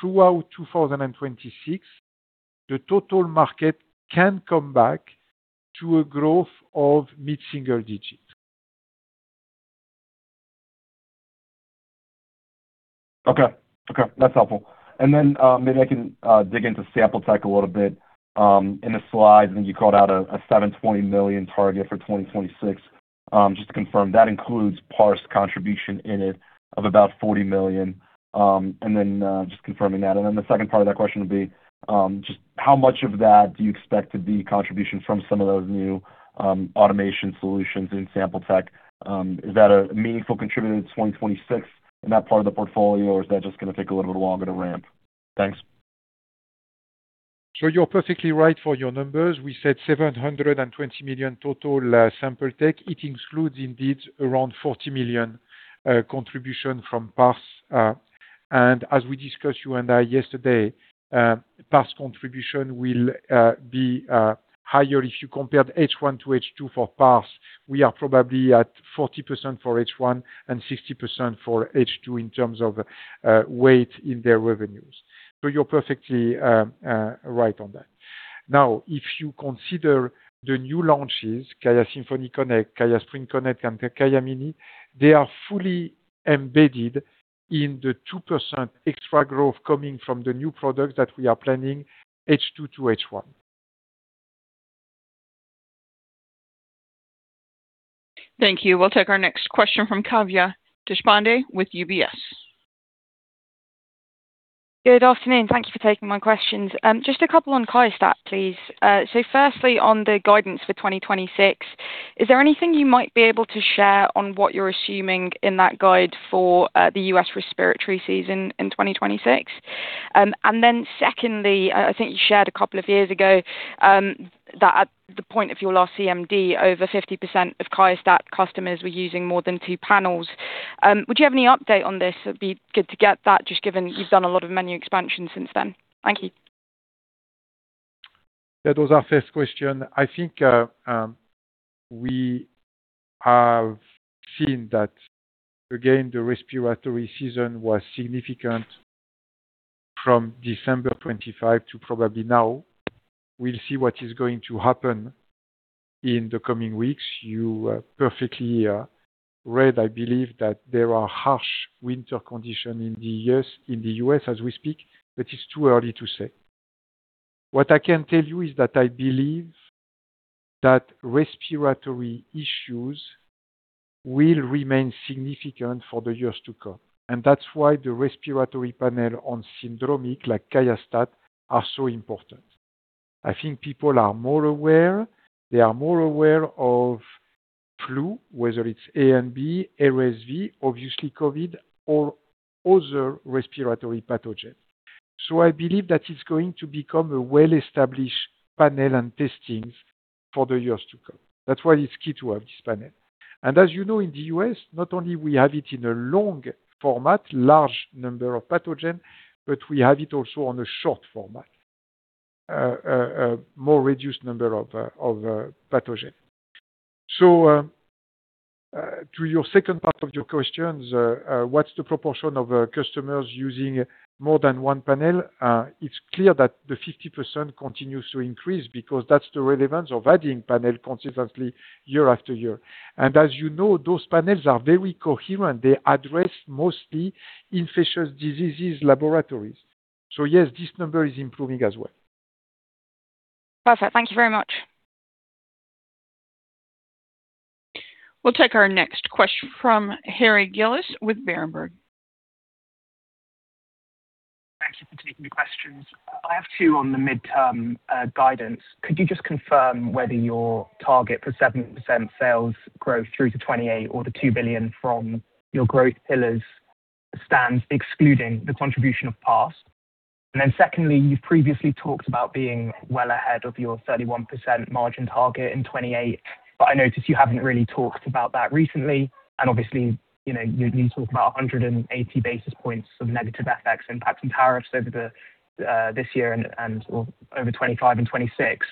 throughout 2026, the total market can come back to a growth of mid-single digit. Okay. Okay. That's helpful. And then maybe I can dig into Sample technologies a little bit. In the slides, I think you called out a $720 million target for 2026. Just to confirm, that includes Parse contribution in it of about $40 million. And then just confirming that. And then the second part of that question would be just how much of that do you expect to be contribution from some of those new automation solutions in Sample technologies? Is that a meaningful contributor in 2026 in that part of the portfolio, or is that just going to take a little bit longer to ramp? Thanks. So you're perfectly right for your numbers. We said $720 million total Sample technologies. It includes, indeed, around $40 million contribution from Parse. And as we discussed, you and I, yesterday, Parse contribution will be higher. If you compared H1 to H2 for Parse, we are probably at 40% for H1 and 60% for H2 in terms of weight in their revenues. So you're perfectly right on that. Now, if you consider the new launches, QIAsymphony Connect, QIAsprint Connect, and QIAmini, they are fully embedded in the 2% extra growth coming from the new products that we are planning, H2 to H1. Thank you. We'll take our next question from Kavya Deshpande with UBS. Good afternoon. Thank you for taking my questions. Just a couple on QIAstat-Dx, please. So firstly, on the guidance for 2026, is there anything you might be able to share on what you're assuming in that guide for the U.S. respiratory season in 2026? And then secondly, I think you shared a couple of years ago that at the point of your last CMD, over 50% of QIAstat-Dx customers were using more than two panels. Would you have any update on this? It'd be good to get that, just given you've done a lot of menu expansion since then. Thank you. Yeah. That was our first question. I think we have seen that, again, the respiratory season was significant from December 2025 to probably now. We'll see what is going to happen in the coming weeks. You perfectly read, I believe, that there are harsh winter conditions in the U.S. as we speak. But it's too early to say. What I can tell you is that I believe that respiratory issues will remain significant for the years to come. And that's why the respiratory panel on syndromic, like QIAstat-Dx, are so important. I think people are more aware. They are more aware of flu, whether it's A and B, RSV, obviously COVID, or other respiratory pathogens. So I believe that it's going to become a well-established panel and testing for the years to come. That's why it's key to have this panel. As you know, in the U.S., not only do we have it in a long format, large number of pathogens, but we have it also on a short format, a more reduced number of pathogens. So to your second part of your questions, what's the proportion of customers using more than one panel? It's clear that the 50% continues to increase because that's the relevance of adding panels consistently year after year. And as you know, those panels are very coherent. They address mostly infectious diseases laboratories. So yes, this number is improving as well. Perfect. Thank you very much. We'll take our next question from Harry Gillis with Berenberg. Thank you for taking the questions. I have two on the mid-term guidance. Could you just confirm whether your target for 7% sales growth through to 2028 or the $2 billion from your growth pillars stands, excluding the contribution of Parse? And then secondly, you've previously talked about being well ahead of your 31% margin target in 2028. But I notice you haven't really talked about that recently. And obviously, you talk about 180 basis points of negative effects, impacts, and tariffs over this year and over 2025 and 2026.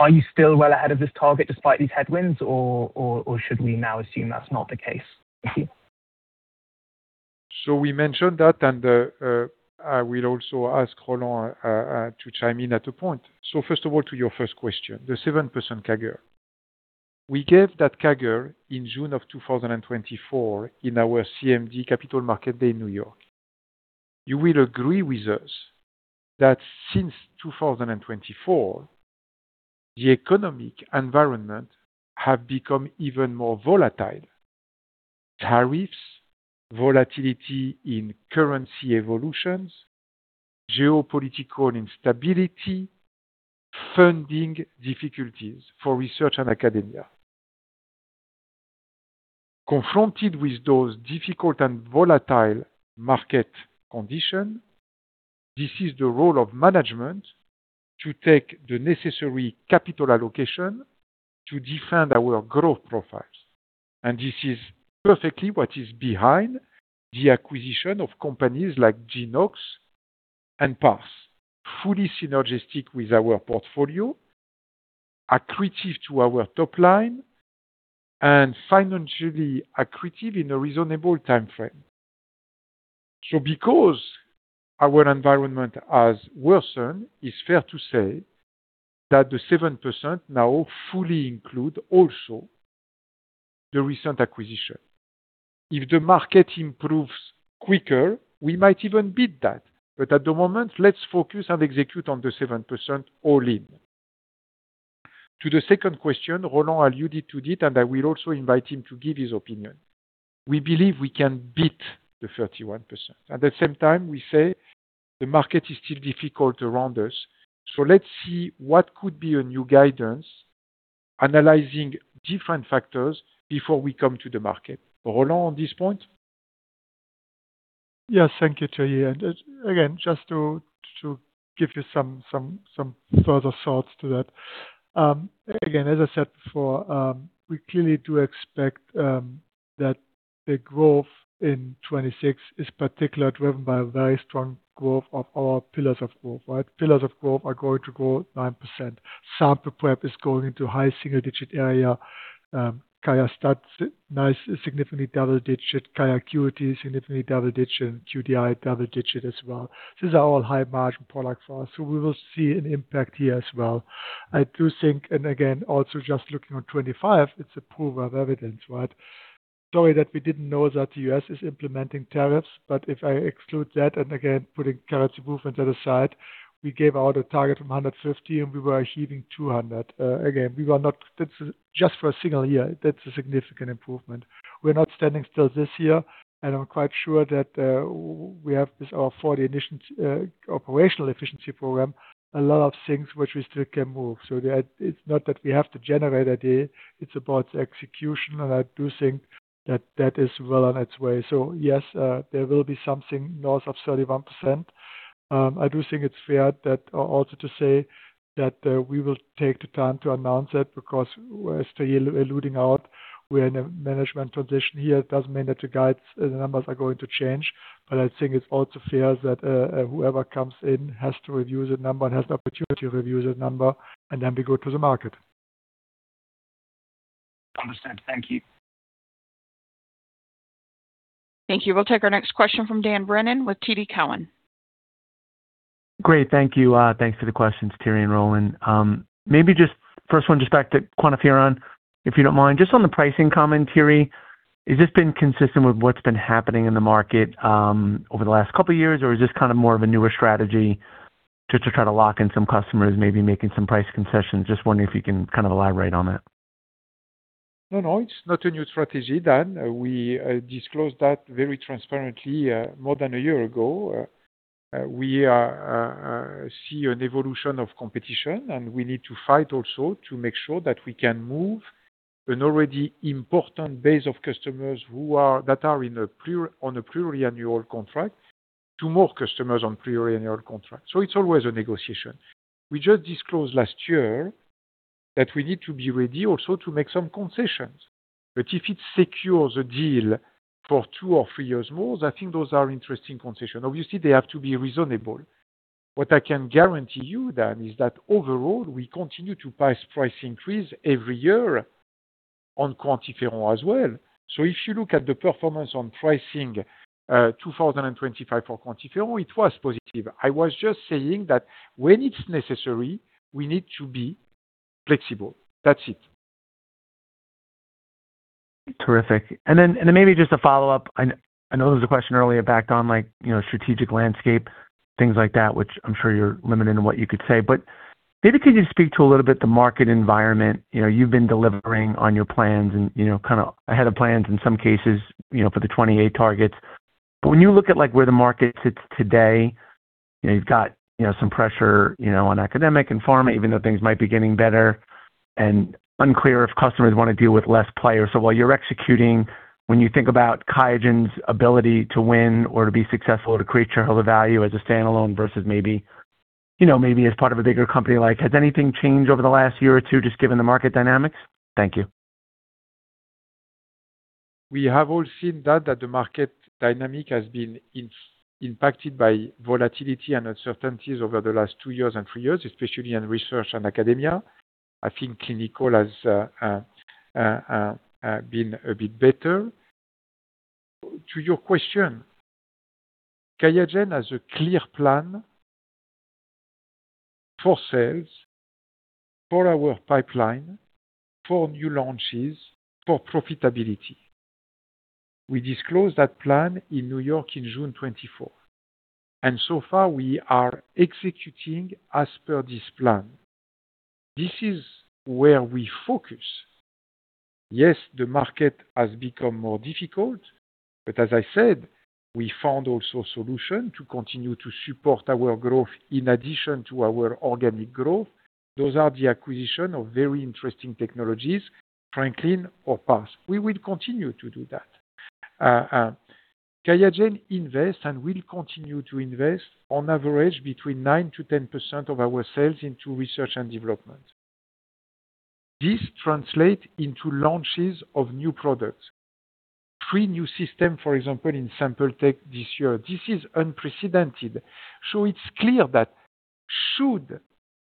Are you still well ahead of this target despite these headwinds, or should we now assume that's not the case? Thank you. So we mentioned that. And I will also ask Roland to chime in at a point. So first of all, to your first question, the 7% CAGR. We gave that CAGR in June of 2024 in our Capital Markets Day in New York. You will agree with us that since 2024, the economic environment has become even more volatile: tariffs, volatility in currency evolutions, geopolitical instability, funding difficulties for research and academia. Confronted with those difficult and volatile market conditions, this is the role of management to take the necessary capital allocation to defend our growth profiles. And this is perfectly what is behind the acquisition of companies like Genoox and Parse, fully synergistic with our portfolio, accretive to our top line, and financially accretive in a reasonable time frame. Because our environment has worsened, it's fair to say that the 7% now fully include also the recent acquisition. If the market improves quicker, we might even beat that. At the moment, let's focus and execute on the 7% all in. To the second question, Roland alluded to it, and I will also invite him to give his opinion. We believe we can beat the 31%. At the same time, we say the market is still difficult around us. Let's see what could be a new guidance, analyzing different factors before we come to the market. Roland, on this point? Yes. Thank you, Thierry. And again, just to give you some further thoughts to that. Again, as I said before, we clearly do expect that the growth in 2026 is particularly driven by a very strong growth of our pillars of growth, right? Pillars of growth are going to grow 9%. Sample Prep is going into high single-digit area. QIAstat, significantly double-digit. QIAcuity, significantly double-digit. And QDI, double-digit as well. These are all high-margin products for us. So we will see an impact here as well. I do think, and again, also just looking on 2025, it's a proof of evidence, right? Sorry that we didn't know that the U.S. is implementing tariffs. But if I exclude that and, again, putting currency movements aside, we gave out a target from 150, and we were achieving 200. Again, we were not just for a single year. That's a significant improvement. We're not standing still this year. I'm quite sure that we have, with our 40 operational efficiency program, a lot of things which we still can move. It's not that we have to generate a day. It's about the execution. I do think that that is well on its way. So yes, there will be something north of 31%. I do think it's fair also to say that we will take the time to announce it because, as Thierry is alluding to, we're in a management transition here. It doesn't mean that the numbers are going to change. I think it's also fair that whoever comes in has to review the number and has the opportunity to review the number, and then we go to the market. Understood. Thank you. Thank you. We'll take our next question from Dan Brennan with TD Cowen. Great. Thank you. Thanks for the questions, Thierry and Roland. Maybe just first one, just back to QuantiFERON, if you don't mind. Just on the pricing comment, Thierry, has this been consistent with what's been happening in the market over the last couple of years, or is this kind of more of a newer strategy just to try to lock in some customers, maybe making some price concessions? Just wondering if you can kind of elaborate on that. No, no. It's not a new strategy, Dan. We disclosed that very transparently more than a year ago. We see an evolution of competition, and we need to fight also to make sure that we can move an already important base of customers that are on a pluriannual contract to more customers on pluriannual contracts. So it's always a negotiation. We just disclosed last year that we need to be ready also to make some concessions. But if it secures a deal for two or three years more, I think those are interesting concessions. Obviously, they have to be reasonable. What I can guarantee you, Dan, is that overall, we continue to price increase every year on QuantiFERON as well. So if you look at the performance on pricing 2025 for QuantiFERON, it was positive. I was just saying that when it's necessary, we need to be flexible. That's it. Terrific. Then maybe just a follow-up. I know there was a question earlier based on strategic landscape, things like that, which I'm sure you're limited in what you could say. But maybe could you speak to a little bit the market environment? You've been delivering on your plans and kind of ahead of plans in some cases for the 2028 targets. But when you look at where the market sits today, you've got some pressure on academic and pharma, even though things might be getting better and unclear if customers want to deal with less players. So while you're executing, when you think about QIAGEN's ability to win or to be successful or to create channel of value as a standalone versus maybe as part of a bigger company, has anything changed over the last year or two just given the market dynamics? Thank you. We have all seen that the market dynamic has been impacted by volatility and uncertainties over the last two years and three years, especially in research and academia. I think clinical has been a bit better. To your question, QIAGEN has a clear plan for sales, for our pipeline, for new launches, for profitability. We disclosed that plan in New York in June 2024. And so far, we are executing as per this plan. This is where we focus. Yes, the market has become more difficult. But as I said, we found also solutions to continue to support our growth in addition to our organic growth. Those are the acquisition of very interesting technologies, Franklin or Parse. We will continue to do that. QIAGEN invests and will continue to invest, on average, between 9%-10% of our sales into research and development. This translates into launches of new products, three new systems, for example, in Sample technologies this year. This is unprecedented. So it's clear that should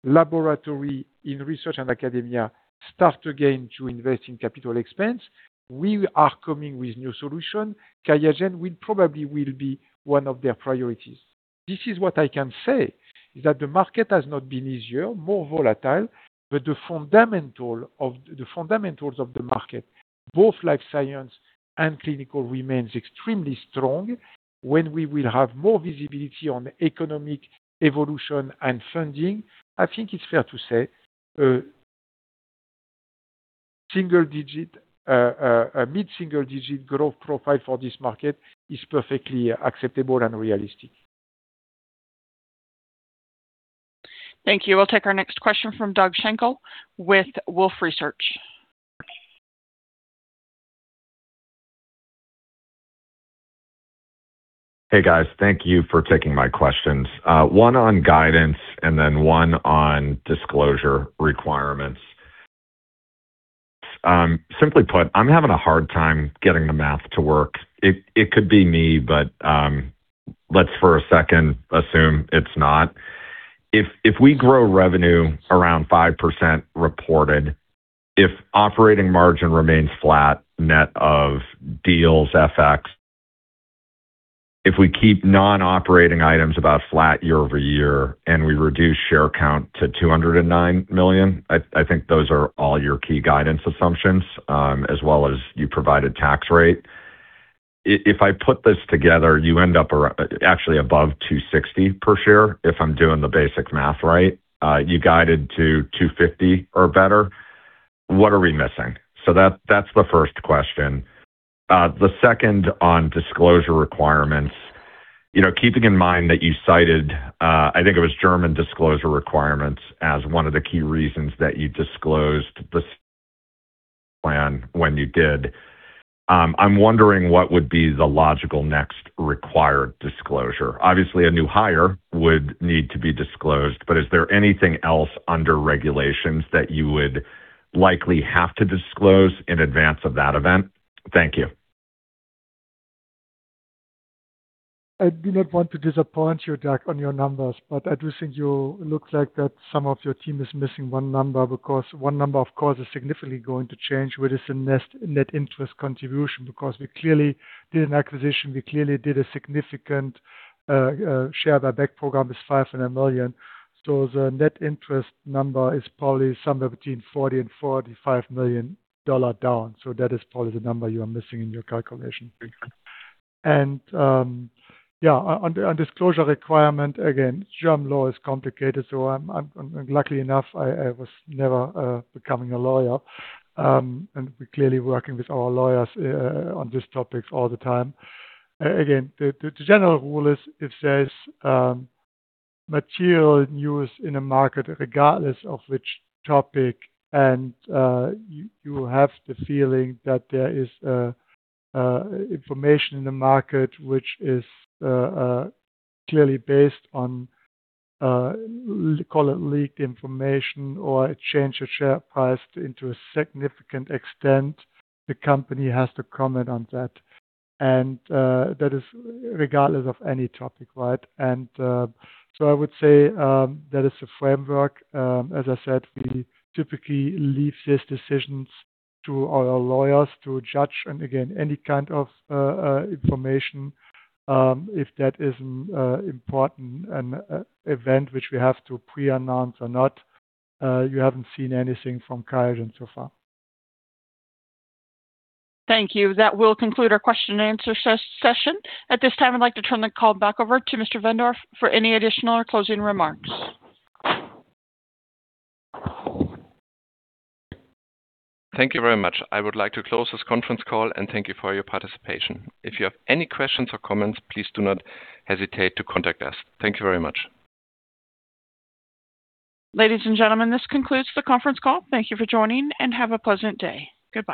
laboratories in research and academia start again to invest in capital expense, we are coming with new solutions. QIAGEN probably will be one of their priorities. This is what I can say, is that the market has not been easier, more volatile. But the fundamentals of the market, both life science and clinical, remain extremely strong. When we will have more visibility on economic evolution and funding, I think it's fair to say a mid-single-digit growth profile for this market is perfectly acceptable and realistic. Thank you. We'll take our next question from Doug Schenkel with Wolfe Research. Hey, guys. Thank you for taking my questions. One on guidance and then one on disclosure requirements. Simply put, I'm having a hard time getting the math to work. It could be me, but let's, for a second, assume it's not. If we grow revenue around 5% reported, if operating margin remains flat net of deals, FX, if we keep non-operating items about flat year-over-year and we reduce share count to 209 million, I think those are all your key guidance assumptions as well as you provided tax rate. If I put this together, you end up actually above $2.60 per share if I'm doing the basic math right. You guided to $2.50 or better. What are we missing? So that's the first question. The second on disclosure requirements, keeping in mind that you cited, I think it was German disclosure requirements as one of the key reasons that you disclosed the plan when you did, I'm wondering what would be the logical next required disclosure. Obviously, a new hire would need to be disclosed. But is there anything else under regulations that you would likely have to disclose in advance of that event? Thank you. I do not want to disappoint you, Doug, on your numbers. But I do think it looks like that some of your team is missing one number because one number, of course, is significantly going to change, which is the net interest contribution because we clearly did an acquisition. We clearly did a significant share-back program. It's 5.5 million. So the net interest number is probably somewhere between $40 million-$45 million down. So that is probably the number you are missing in your calculation. And yeah, on disclosure requirement, again, German law is complicated. So luckily enough, I was never becoming a lawyer. And we're clearly working with our lawyers on these topics all the time. Again, the general rule is, if there's material news in a market, regardless of which topic, and you have the feeling that there is information in the market which is clearly based on, call it, leaked information or it changed your share price into a significant extent, the company has to comment on that. And that is regardless of any topic, right? And so I would say that is the framework. As I said, we typically leave these decisions to our lawyers to judge and, again, any kind of information. If that is an important event which we have to pre-announce or not, you haven't seen anything from QIAGEN so far. Thank you. That will conclude our question-and-answer session. At this time, I'd like to turn the call back over to Mr. Wendorff for any additional or closing remarks. Thank you very much. I would like to close this conference call and thank you for your participation. If you have any questions or comments, please do not hesitate to contact us. Thank you very much. Ladies and gentlemen, this concludes the conference call. Thank you for joining, and have a pleasant day. Goodbye.